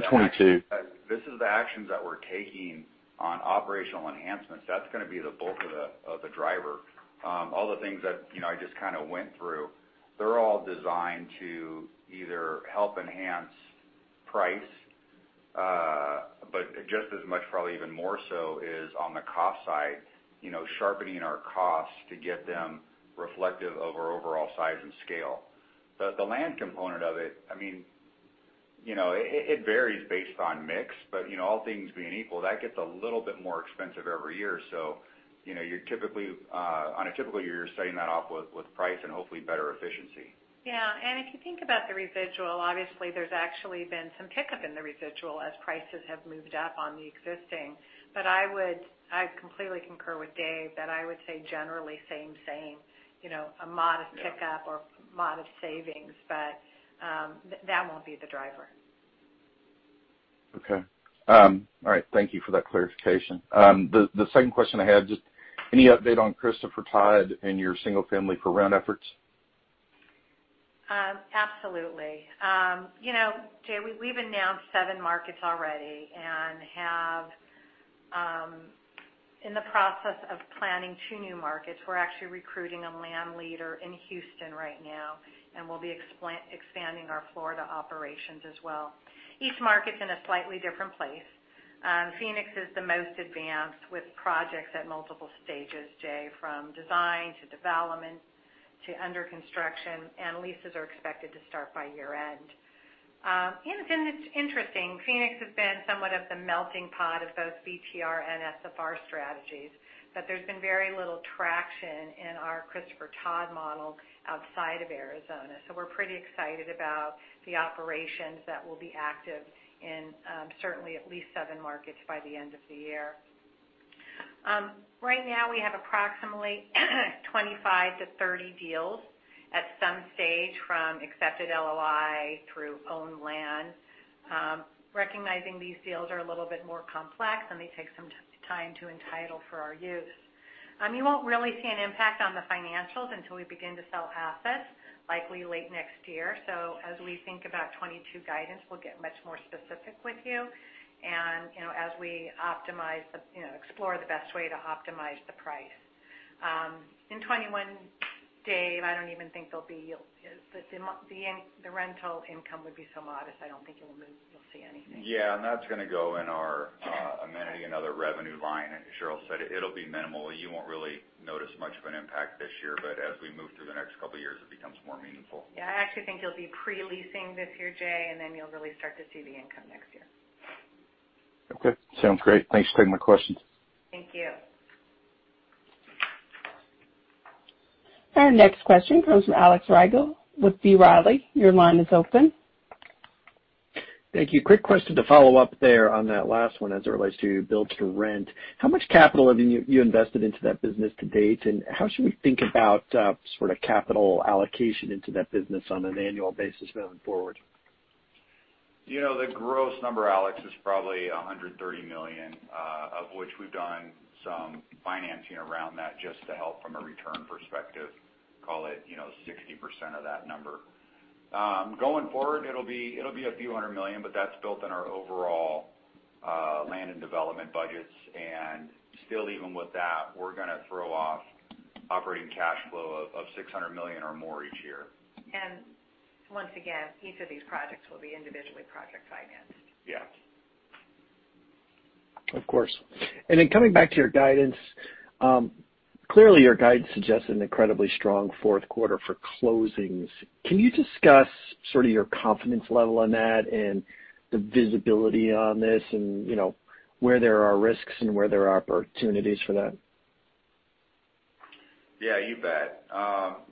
that we're taking. Yeah, for 2022. This is the actions that we're taking on operational enhancements. That's going to be the bulk of the driver. All the things that I just kind of went through, they're all designed to either help enhance price, but just as much, probably even more so, is on the cost side, sharpening our costs to get them reflective of our overall size and scale. The land component of it, I mean, it varies based on mix, but all things being equal, that gets a little bit more expensive every year. So on a typical year, you're setting that off with price and hopefully better efficiency. Yeah. And if you think about the residual, obviously, there's actually been some pickup in the residual as prices have moved up on the existing. But I completely concur with Dave that I would say generally same same, a modest pickup or modest savings, but that won't be the driver. Okay. All right. Thank you for that clarification. The second question I had, just any update on Christopher Todd and your single-family for-rent efforts? Absolutely. Jay, we've announced seven markets already and have in the process of planning two new markets. We're actually recruiting a land leader in Houston right now, and we'll be expanding our Florida operations as well. Each market's in a slightly different place. Phoenix is the most advanced with projects at multiple stages, Jay, from design to development to under construction, and leases are expected to start by year-end. And it's interesting. Phoenix has been somewhat of the melting pot of both BTR and SFR strategies, but there's been very little traction in our Christopher Todd model outside of Arizona. So we're pretty excited about the operations that will be active in certainly at least seven markets by the end of the year. Right now, we have approximately 25-30 deals at some stage from accepted LOI through owned land. Recognizing these deals are a little bit more complex and they take some time to entitle for our use. You won't really see an impact on the financials until we begin to sell assets, likely late next year. So as we think about 2022 guidance, we'll get much more specific with you as we optimize, explore the best way to optimize the price. In 2021, Dave, I don't even think the rental income would be so modest. I don't think you'll see anything. Yeah. And that's going to go in our amenity and other revenue line. As Sheryl said, it'll be minimal. You won't really notice much of an impact this year, but as we move through the next couple of years, it becomes more meaningful. Yeah. I actually think you'll be pre-leasing this year, Jay, and then you'll really start to see the income next year. Okay. Sounds great. Thanks for taking my questions. Thank you. Our next question comes from Alex Rygiel with B. Riley. Your line is open. Thank you. Quick question to follow up there on that last one as it relates to build-to-rent. How much capital have you invested into that business to date, and how should we think about sort of capital allocation into that business on an annual basis going forward? The gross number, Alex, is probably $130 million, of which we've done some financing around that just to help from a return perspective, call it 60% of that number. Going forward, it'll be a few hundred million, but that's built in our overall land and development budgets. And still, even with that, we're going to throw off operating cash flow of $600 million or more each year. And once again, each of these projects will be individually project financed. Yeah. Of course. And then coming back to your guidance, clearly your guidance suggested an incredibly strong fourth quarter for closings. Can you discuss sort of your confidence level on that and the visibility on this and where there are risks and where there are opportunities for that? Yeah, you bet.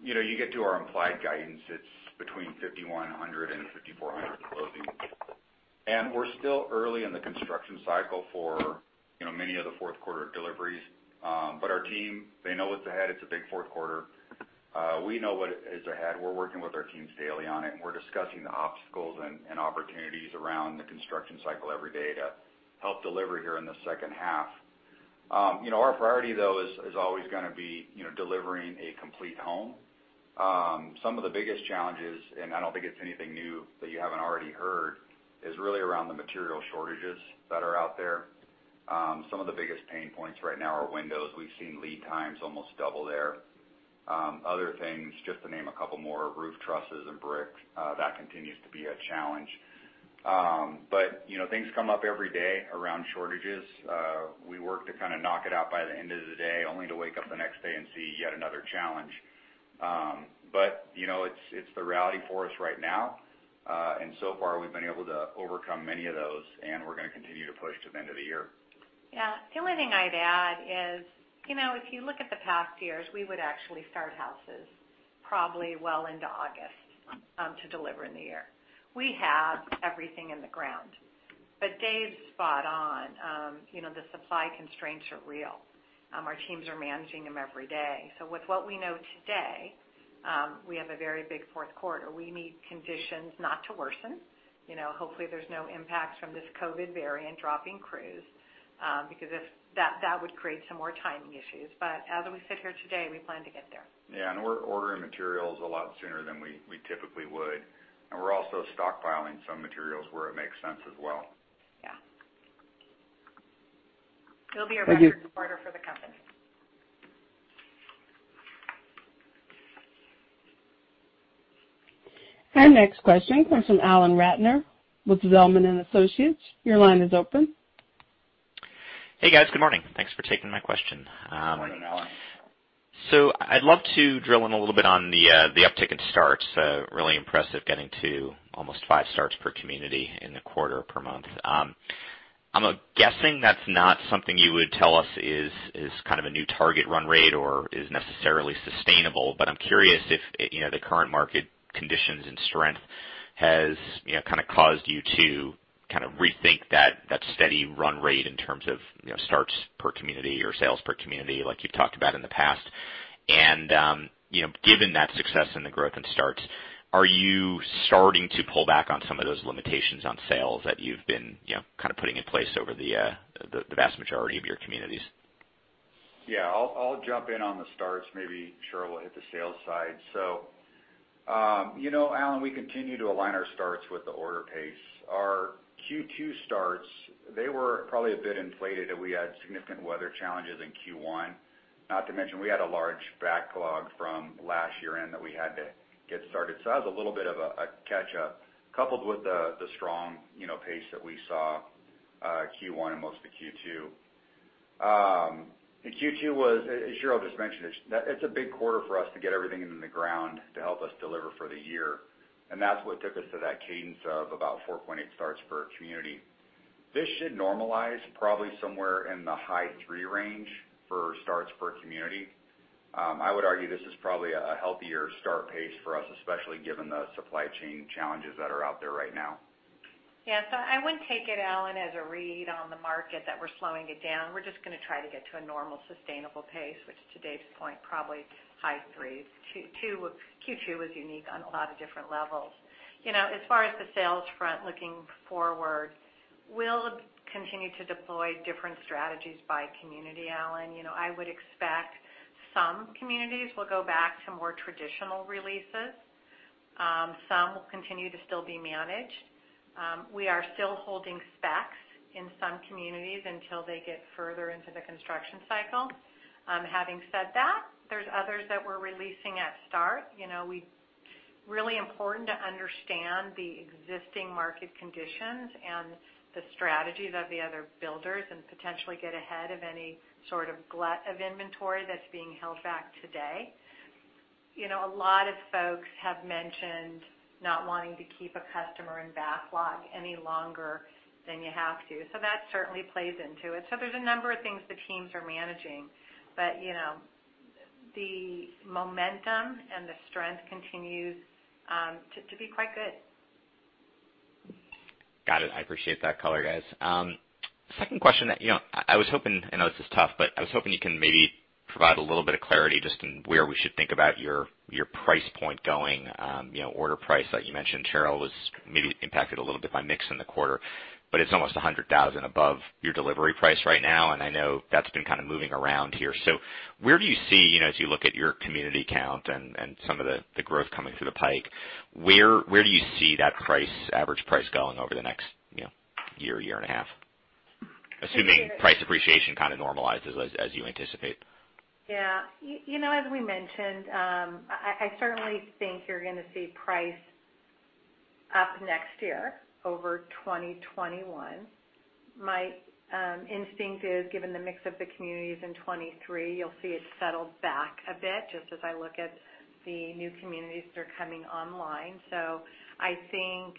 You get to our implied guidance. It's between 5,100 and 5,400 closings. We're still early in the construction cycle for many of the fourth quarter deliveries. Our team, they know what's ahead. It's a big fourth quarter. We know what is ahead. We're working with our teams daily on it, and we're discussing the obstacles and opportunities around the construction cycle every day to help deliver here in the second half. Our priority, though, is always going to be delivering a complete home. Some of the biggest challenges, and I don't think it's anything new that you haven't already heard, is really around the material shortages that are out there. Some of the biggest pain points right now are windows. We've seen lead times almost double there. Other things, just to name a couple more, roof trusses and brick, that continues to be a challenge. Things come up every day around shortages. We work to kind of knock it out by the end of the day, only to wake up the next day and see yet another challenge, but it's the reality for us right now. And so far, we've been able to overcome many of those, and we're going to continue to push to the end of the year. Yeah. The only thing I'd add is if you look at the past years, we would actually start houses probably well into August to deliver in the year. We have everything in the ground, but Dave's spot on. The supply constraints are real. Our teams are managing them every day, so with what we know today, we have a very big fourth quarter. We need conditions not to worsen. Hopefully, there's no impacts from this COVID variant dropping crews because that would create some more timing issues. But as we sit here today, we plan to get there. Yeah. And we're ordering materials a lot sooner than we typically would. And we're also stockpiling some materials where it makes sense as well. Yeah. It'll be a record quarter for the company. Our next question comes from Alan Ratner with Zelman & Associates. Your line is open. Hey, guys. Good morning. Thanks for taking my question. Good morning, Alan. So I'd love to drill in a little bit on the uptick in starts. Really impressive getting to almost five starts per community in the quarter per month. I'm guessing that's not something you would tell us is kind of a new target run rate or is necessarily sustainable, but I'm curious if the current market conditions and strength has kind of caused you to kind of rethink that steady run rate in terms of starts per community or sales per community like you've talked about in the past. And given that success in the growth and starts, are you starting to pull back on some of those limitations on sales that you've been kind of putting in place over the vast majority of your communities? Yeah. I'll jump in on the starts. Maybe Sheryl will hit the sales side. So, Alan, we continue to align our starts with the order pace. Our Q2 starts, they were probably a bit inflated. We had significant weather challenges in Q1, not to mention we had a large backlog from last year end that we had to get started. So that was a little bit of a catch-up, coupled with the strong pace that we saw Q1 and mostly Q2. In Q2, as Sheryl just mentioned, it's a big quarter for us to get everything into the ground to help us deliver for the year. And that's what took us to that cadence of about 4.8 starts per community. This should normalize probably somewhere in the high three range for starts per community. I would argue this is probably a healthier start pace for us, especially given the supply chain challenges that are out there right now. Yeah. So I wouldn't take it, Alan, as a read on the market that we're slowing it down. We're just going to try to get to a normal sustainable pace, which to Dave's point, probably high three. Q2 is unique on a lot of different levels. As far as the sales front looking forward, we'll continue to deploy different strategies by community, Alan. I would expect some communities will go back to more traditional releases. Some will continue to still be managed. We are still holding specs in some communities until they get further into the construction cycle. Having said that, there's others that we're releasing at start. It's really important to understand the existing market conditions and the strategies of the other builders and potentially get ahead of any sort of glut of inventory that's being held back today. A lot of folks have mentioned not wanting to keep a customer in backlog any longer than you have to. So that certainly plays into it. So there's a number of things the teams are managing, but the momentum and the strength continues to be quite good. Got it. I appreciate that color, guys. Second question that I was hoping, I know this is tough, but I was hoping you can maybe provide a little bit of clarity just on where we should think about your price point going. Order price that you mentioned, Sheryl, was maybe impacted a little bit by mix in the quarter, but it's almost 100,000 above your delivery price right now, and I know that's been kind of moving around here. So where do you see, as you look at your community count and some of the growth coming through the pike, where do you see that average price going over the next year, year and a half? Assuming price appreciation kind of normalizes as you anticipate. Yeah. As we mentioned, I certainly think you're going to see price up next year over 2021. My instinct is, given the mix of the communities in 2023, you'll see it settle back a bit just as I look at the new communities that are coming online. So I think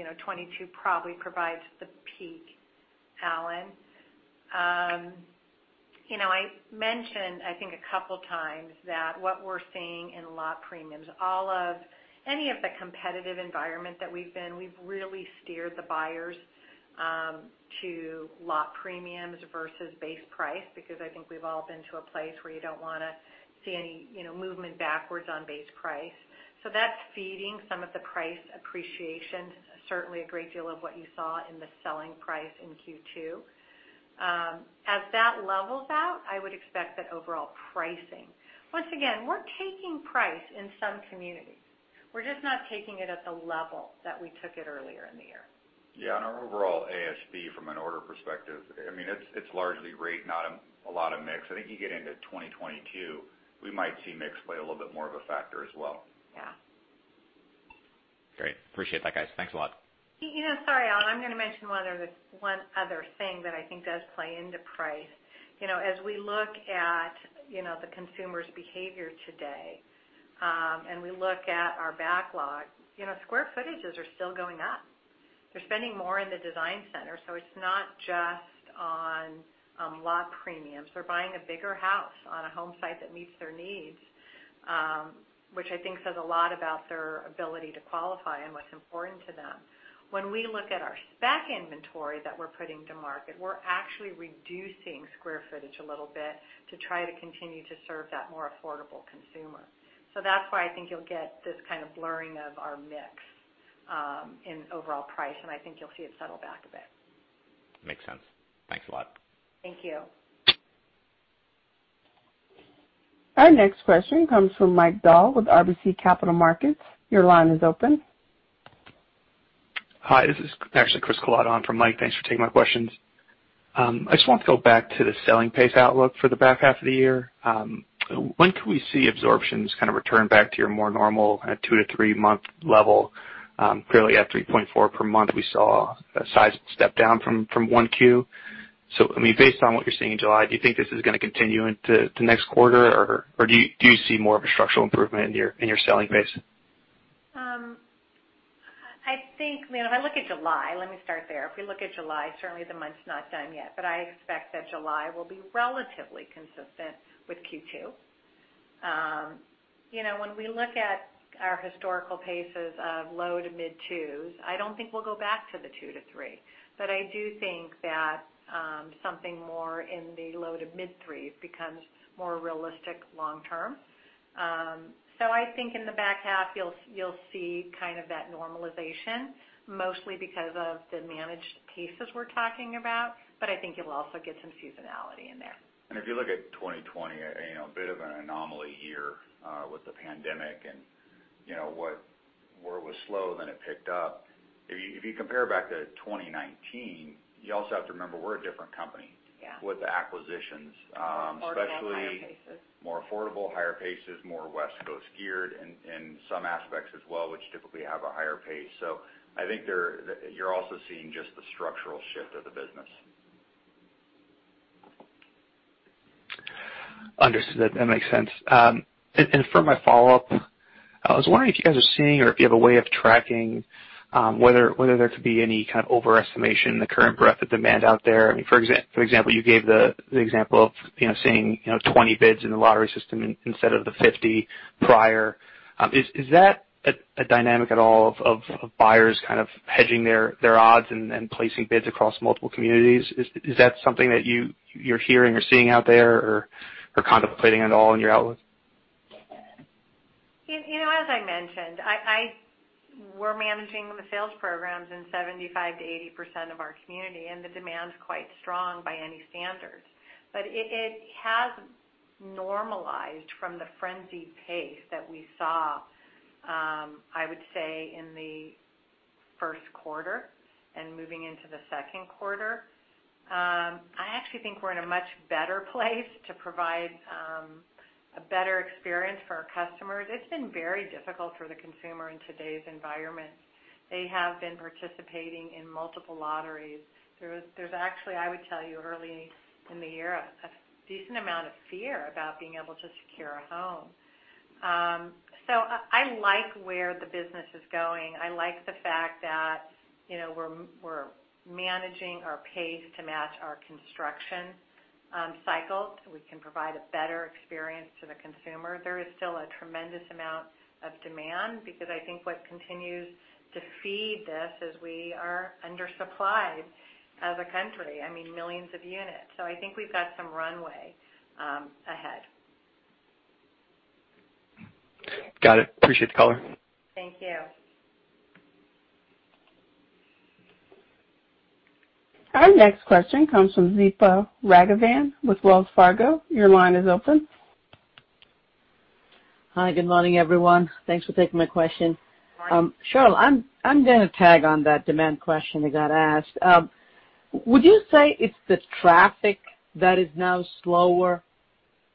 2022 probably provides the peak, Alan. I mentioned, I think, a couple of times that what we're seeing in lot premiums, any of the competitive environment that we've been, we've really steered the buyers to lot premiums versus base price because I think we've all been to a place where you don't want to see any movement backwards on base price. So that's feeding some of the price appreciation, certainly a great deal of what you saw in the selling price in Q2. As that levels out, I would expect that overall pricing, once again, we're taking price in some communities. We're just not taking it at the level that we took it earlier in the year. Yeah. And our overall ASP from an order perspective, I mean, it's largely rate, not a lot of mix. I think you get into 2022, we might see mix play a little bit more of a factor as well. Yeah. Great. Appreciate that, guys. Thanks a lot. Sorry, Alan. I'm going to mention one other thing that I think does play into price. As we look at the consumer's behavior today and we look at our backlog, square footages are still going up. They're spending more in the design center. So it's not just on lot premiums. They're buying a bigger house on a home site that meets their needs, which I think says a lot about their ability to qualify and what's important to them. When we look at our spec inventory that we're putting to market, we're actually reducing square footage a little bit to try to continue to serve that more affordable consumer. So that's why I think you'll get this kind of blurring of our mix in overall price, and I think you'll see it settle back a bit. Makes sense. Thanks a lot. Thank you. Our next question comes from Mike Dahl with RBC Capital Markets. Your line is open. Hi. This is actually Chris Kalata. I'm filling in for Mike. Thanks for taking my questions. I just want to go back to the selling pace outlook for the back half of the year. When can we see absorptions kind of return back to your more normal two- to three-month level? Clearly, at 3.4 per month, we saw a size step down from Q1. So I mean, based on what you're seeing in July, do you think this is going to continue into the next quarter, or do you see more of a structural improvement in your selling pace? I think if I look at July, let me start there. If we look at July, certainly the month's not done yet, but I expect that July will be relatively consistent with Q2. When we look at our historical paces of low to mid-twos, I don't think we'll go back to the two to three, but I do think that something more in the low to mid-threes becomes more realistic long-term. So I think in the back half, you'll see kind of that normalization, mostly because of the managed pieces we're talking about, but I think you'll also get some seasonality in there. And if you look at 2020, a bit of an anomaly year with the pandemic and where it was slow, then it picked up. If you compare back to 2019, you also have to remember we're a different company with the acquisitions, especially more affordable, higher paces, more West Coast geared in some aspects as well, which typically have a higher pace. So I think you're also seeing just the structural shift of the business. Understood. That makes sense. And for my follow-up, I was wondering if you guys are seeing or if you have a way of tracking whether there could be any kind of overestimation in the current breadth of demand out there. I mean, for example, you gave the example of seeing 20 bids in the lottery system instead of the 50 prior. Is that a dynamic at all of buyers kind of hedging their odds and placing bids across multiple communities? Is that something that you're hearing or seeing out there or contemplating at all in your outlook? As I mentioned, we're managing the sales programs in 75%-80% of our communities, and the demand's quite strong by any standards. But it has normalized from the frenzy pace that we saw, I would say, in the first quarter and moving into the second quarter. I actually think we're in a much better place to provide a better experience for our customers. It's been very difficult for the consumer in today's environment. They have been participating in multiple lotteries. There's actually, I would tell you, early in the year, a decent amount of fear about being able to secure a home. So I like where the business is going. I like the fact that we're managing our pace to match our construction cycle. We can provide a better experience to the consumer. There is still a tremendous amount of demand because I think what continues to feed this is we are undersupplied as a country. I mean, millions of units. So I think we've got some runway ahead. Got it. Appreciate the color. Thank you. Our next question comes from Deepa Raghavan with Wells Fargo. Your line is open. Hi. Good morning, everyone. Thanks for taking my question. Sheryl, I'm going to tag on that demand question I got asked. Would you say it's the traffic that is now slower,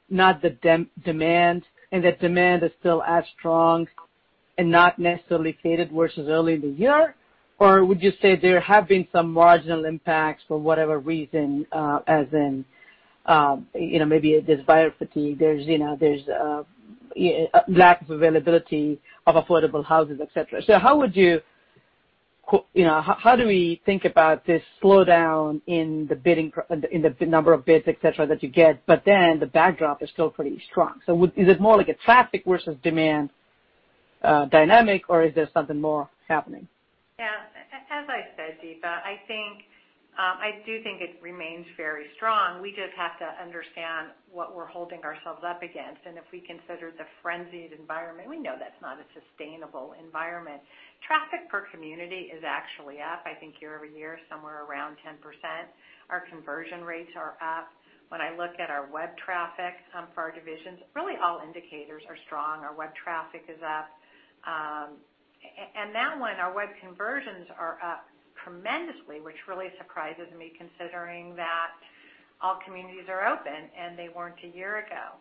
not the demand, and that demand is still as strong and not necessarily faded versus early in the year? Or would you say there have been some marginal impacts for whatever reason, as in maybe there's buyer fatigue, there's lack of availability of affordable houses, etc.? So how do we think about this slowdown in the number of bids, etc., that you get, but then the backdrop is still pretty strong? So is it more like a traffic versus demand dynamic, or is there something more happening? Yeah. As I said, Deepa, I do think it remains very strong. We just have to understand what we're holding ourselves up against. And if we consider the frenzied environment, we know that's not a sustainable environment. Traffic per community is actually up. I think year-over- year, somewhere around 10%. Our conversion rates are up. When I look at our web traffic for our divisions, really all indicators are strong. Our web traffic is up. And now, when our web conversions are up tremendously, which really surprises me considering that all communities are open and they weren't a year ago.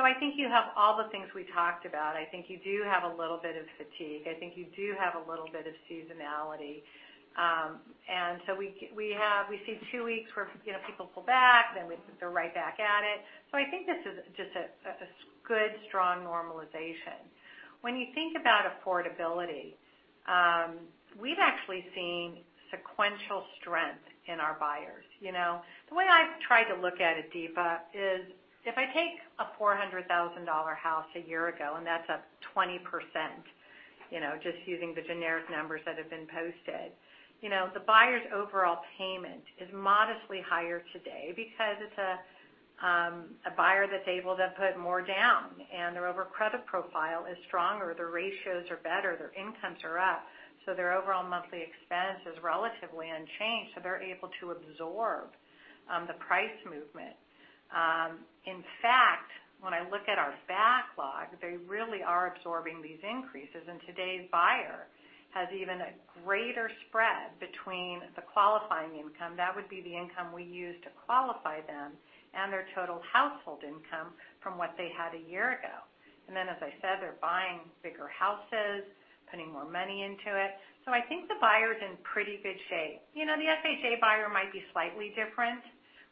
So I think you have all the things we talked about. I think you do have a little bit of fatigue. I think you do have a little bit of seasonality. And so we see two weeks where people pull back, then they're right back at it. So I think this is just a good, strong normalization. When you think about affordability, we've actually seen sequential strength in our buyers. The way I've tried to look at it, Deepa, is if I take a $400,000 house a year ago, and that's up 20%, just using the generic numbers that have been posted, the buyer's overall payment is modestly higher today because it's a buyer that's able to put more down, and their overall credit profile is stronger. Their ratios are better. Their incomes are up, so their overall monthly expense is relatively unchanged, so they're able to absorb the price movement. In fact, when I look at our backlog, they really are absorbing these increases, and today's buyer has even a greater spread between the qualifying income—that would be the income we use to qualify them—and their total household income from what they had a year ago, and then, as I said, they're buying bigger houses, putting more money into it, so I think the buyer's in pretty good shape. The FHA buyer might be slightly different.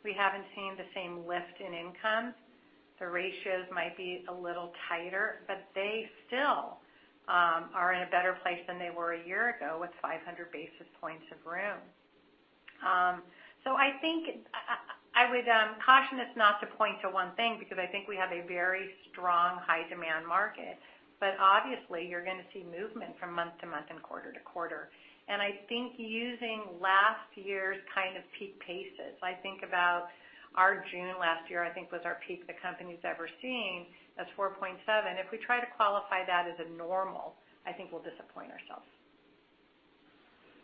We haven't seen the same lift in income. The ratios might be a little tighter, but they still are in a better place than they were a year ago with 500 basis points of room. So I think I would caution us not to point to one thing because I think we have a very strong, high-demand market, but obviously, you're going to see movement from month to month and quarter to quarter, and I think using last year's kind of peak paces, I think about our June last year, I think was our peak the company's ever seen as 4.7. If we try to qualify that as a normal, I think we'll disappoint ourselves.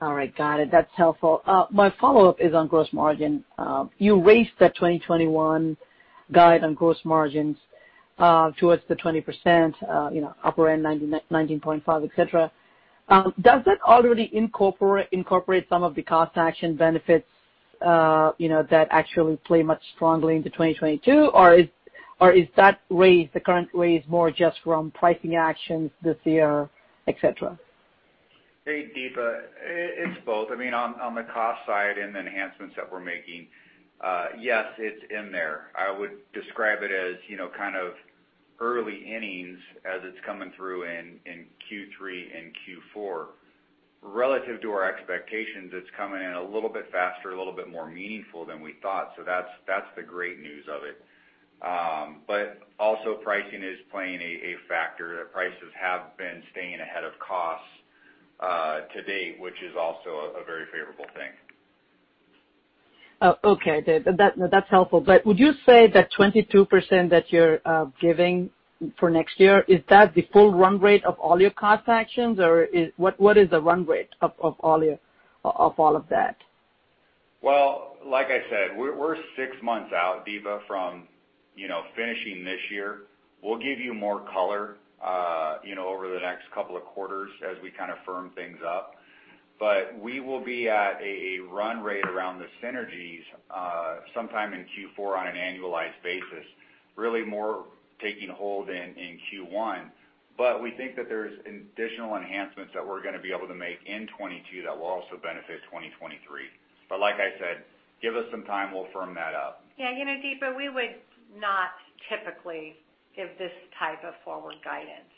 All right. Got it. That's helpful. My follow-up is on gross margin. You raised that 2021 guide on gross margins towards the 20%, upper end 19.5%, etc. Does that already incorporate some of the cost action benefits that actually play much stronger into 2022, or is that raise, the current raise, more just from pricing actions this year, etc.? Hey, Deepa. It's both. I mean, on the cost side and the enhancements that we're making, yes, it's in there. I would describe it as kind of early innings as it's coming through in Q3 and Q4. Relative to our expectations, it's coming in a little bit faster, a little bit more meaningful than we thought. So that's the great news of it. But also, pricing is playing a factor. The prices have been staying ahead of cost to date, which is also a very favorable thing. Okay. That's helpful. But would you say that 22% that you're giving for next year is the full run rate of all your cost actions, or what is the run rate of all of that? Well, like I said, we're six months out, Deepa, from finishing this year. We'll give you more color over the next couple of quarters as we kind of firm things up. But we will be at a run rate around the synergies sometime in Q4 on an annualized basis, really more taking hold in Q1. But we think that there's additional enhancements that we're going to be able to make in 2022 that will also benefit 2023. But like I said, give us some time. We'll firm that up. Yeah. Deepa, we would not typically give this type of forward guidance.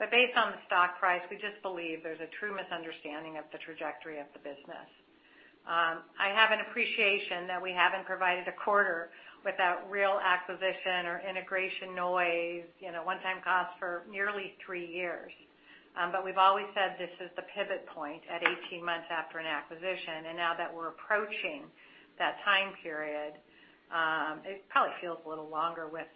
But based on the stock price, we just believe there's a true misunderstanding of the trajectory of the business. I have an appreciation that we haven't provided a quarter without real acquisition or integration noise, one-time costs for nearly three years. But we've always said this is the pivot point at 18 months after an acquisition. And now that we're approaching that time period, it probably feels a little longer with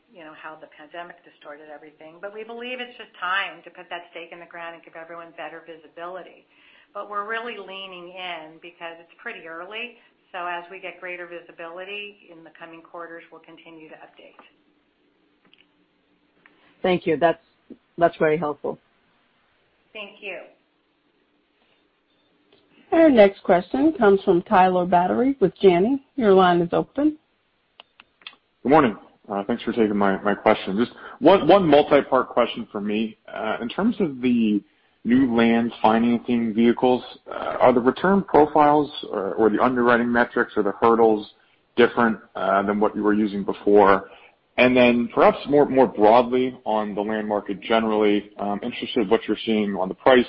how the pandemic distorted everything. But we believe it's just time to put that stake in the ground and give everyone better visibility. But we're really leaning in because it's pretty early. So as we get greater visibility in the coming quarters, we'll continue to update. Thank you. That's very helpful. Thank you. Our next question comes from Tyler Batory with Janney Montgomery Scott. Your line is open. Good morning. Thanks for taking my question. Just one multi-part question for me. In terms of the new land financing vehicles, are the return profiles or the underwriting metrics or the hurdles different than what you were using before? And then perhaps more broadly on the land market generally, interested in what you're seeing on the price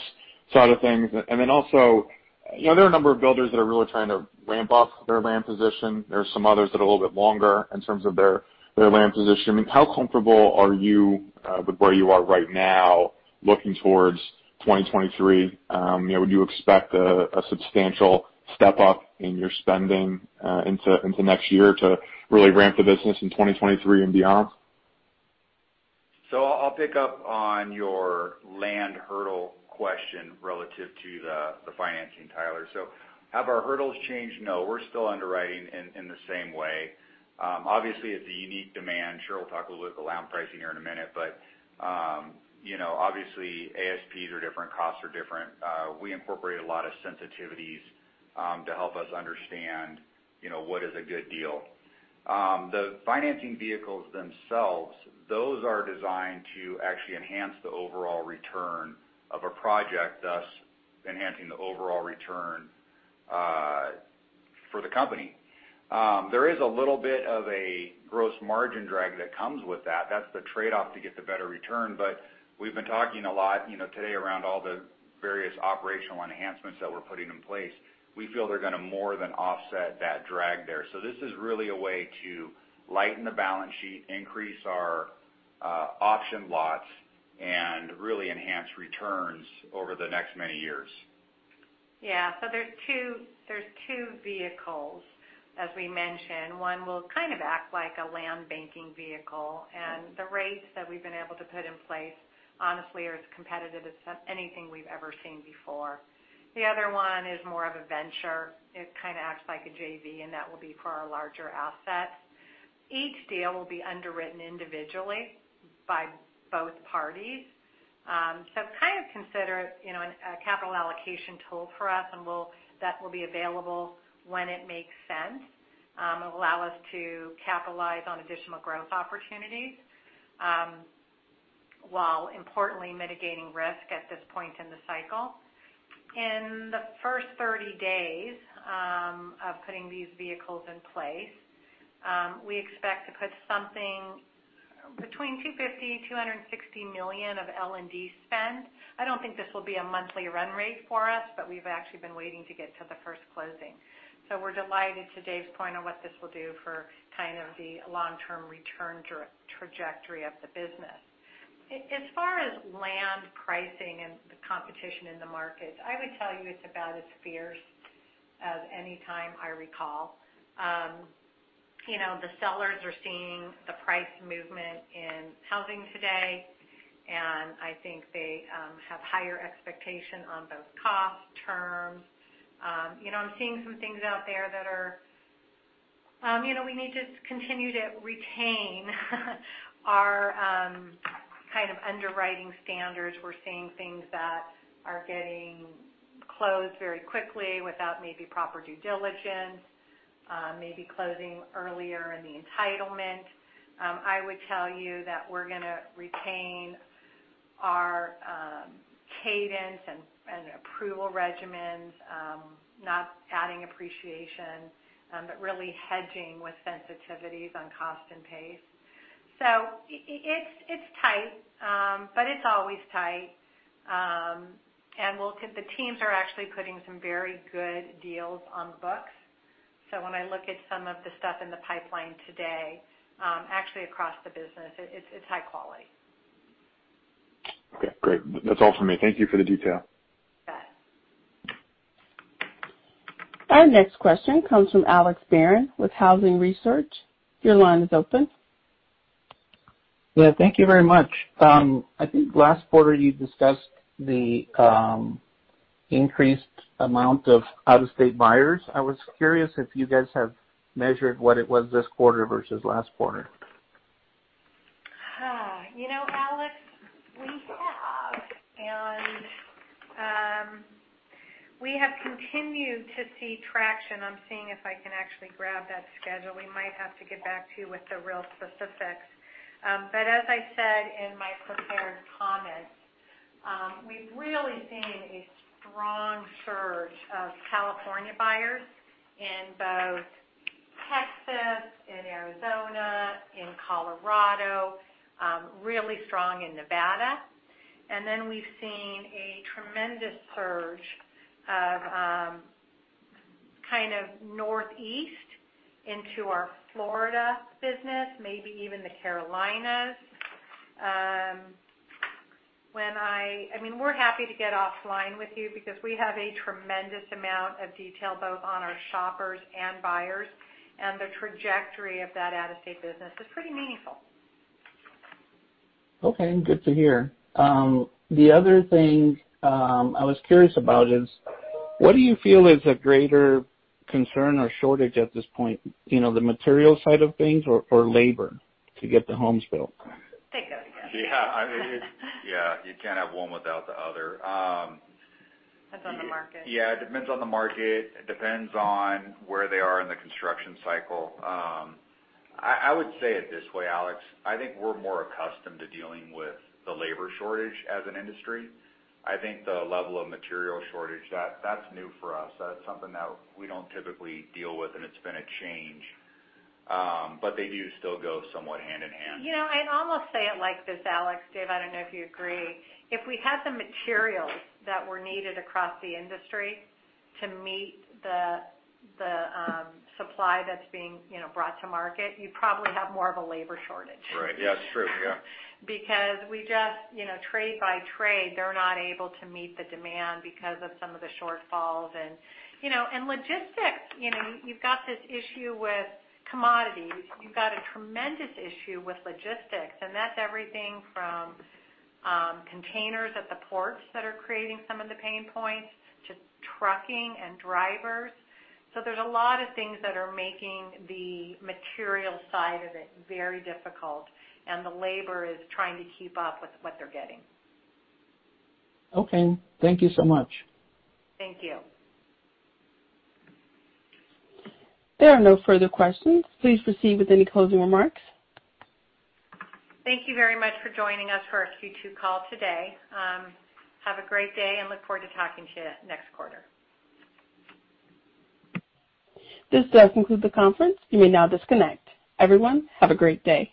side of things. And then also, there are a number of builders that are really trying to ramp up their land position. There are some others that are a little bit longer in terms of their land position. How comfortable are you with where you are right now looking towards 2023? Would you expect a substantial step up in your spending into next year to really ramp the business in 2023 and beyond? So I'll pick up on your land hurdle question relative to the financing, Tyler. So have our hurdles changed? No. We're still underwriting in the same way. Obviously, it's a unique demand. Sheryl will talk a little bit about the land pricing here in a minute, but obviously, ASPs are different. Costs are different. We incorporate a lot of sensitivities to help us understand what is a good deal. The financing vehicles themselves, those are designed to actually enhance the overall return of a project, thus enhancing the overall return for the company. There is a little bit of a gross margin drag that comes with that. That's the trade-off to get the better return. But we've been talking a lot today around all the various operational enhancements that we're putting in place. We feel they're going to more than offset that drag there. So this is really a way to lighten the balance sheet, increase our option lots, and really enhance returns over the next many years. Yeah. So there's two vehicles, as we mentioned. One will kind of act like a land banking vehicle. And the rates that we've been able to put in place, honestly, are as competitive as anything we've ever seen before. The other one is more of a venture. It kind of acts like a JV, and that will be for our larger assets. Each deal will be underwritten individually by both parties. So kind of consider it a capital allocation tool for us, and that will be available when it makes sense. It will allow us to capitalize on additional growth opportunities while importantly mitigating risk at this point in the cycle. In the first 30 days of putting these vehicles in place, we expect to put something between $250-$260 million of L&D spend. I don't think this will be a monthly run rate for us, but we've actually been waiting to get to the first closing. So, we're delighted to Dave's point on what this will do for kind of the long-term return trajectory of the business. As far as land pricing and the competition in the markets, I would tell you it's about as fierce as any time I recall. The sellers are seeing the price movement in housing today, and I think they have higher expectations on both costs, terms. I'm seeing some things out there that are we need to continue to retain our kind of underwriting standards. We're seeing things that are getting closed very quickly without maybe proper due diligence, maybe closing earlier in the entitlement. I would tell you that we're going to retain our cadence and approval regimens, not adding appreciation, but really hedging with sensitivities on cost and pace. So it's tight, but it's always tight. And the teams are actually putting some very good deals on the books. So when I look at some of the stuff in the pipeline today, actually across the business, it's high quality. Okay. Great. That's all for me. Thank you for the detail. Bye. Our next question comes from Alex Barron with Housing Research Center. Your line is open. Yeah. Thank you very much. I think last quarter you discussed the increased amount of out-of-state buyers. I was curious if you guys have measured what it was this quarter versus last quarter. You know, Alex, we have. And we have continued to see traction. I'm seeing if I can actually grab that schedule. We might have to get back to you with the real specifics. But as I said in my prepared comments, we've really seen a strong surge of California buyers in both Texas, in Arizona, in Colorado, really strong in Nevada. And then we've seen a tremendous surge of kind of Northeast into our Florida business, maybe even the Carolinas. I mean, we're happy to get offline with you because we have a tremendous amount of detail both on our shoppers and buyers. And the trajectory of that out-of-state business is pretty meaningful. Okay. Good to hear. The other thing I was curious about is, what do you feel is a greater concern or shortage at this point? The material side of things or labor to get the homes built? Take that again. Yeah. You can't have one without the other. That's on the market. Yeah. It depends on the market. It depends on where they are in the construction cycle. I would say it this way, Alex. I think we're more accustomed to dealing with the labor shortage as an industry. I think the level of material shortage, that's new for us. That's something that we don't typically deal with, and it's been a change. But they do still go somewhat hand in hand. I'd almost say it like this, Alex. Dave, I don't know if you agree. If we had the materials that were needed across the industry to meet the supply that's being brought to market, you'd probably have more of a labor shortage. Right. Yeah. It's true. Yeah. Because we just trade by trade, they're not able to meet the demand because of some of the shortfalls. And logistics, you've got this issue with commodities. You've got a tremendous issue with logistics. And that's everything from containers at the ports that are creating some of the pain points to trucking and drivers. So there's a lot of things that are making the material side of it very difficult, and the labor is trying to keep up with what they're getting. Okay. Thank you so much. Thank you. There are no further questions. Please proceed with any closing remarks. Thank you very much for joining us for our Q2 call today. Have a great day and look forward to talking to you next quarter. This does conclude the conference. You may now disconnect. Everyone, have a great day.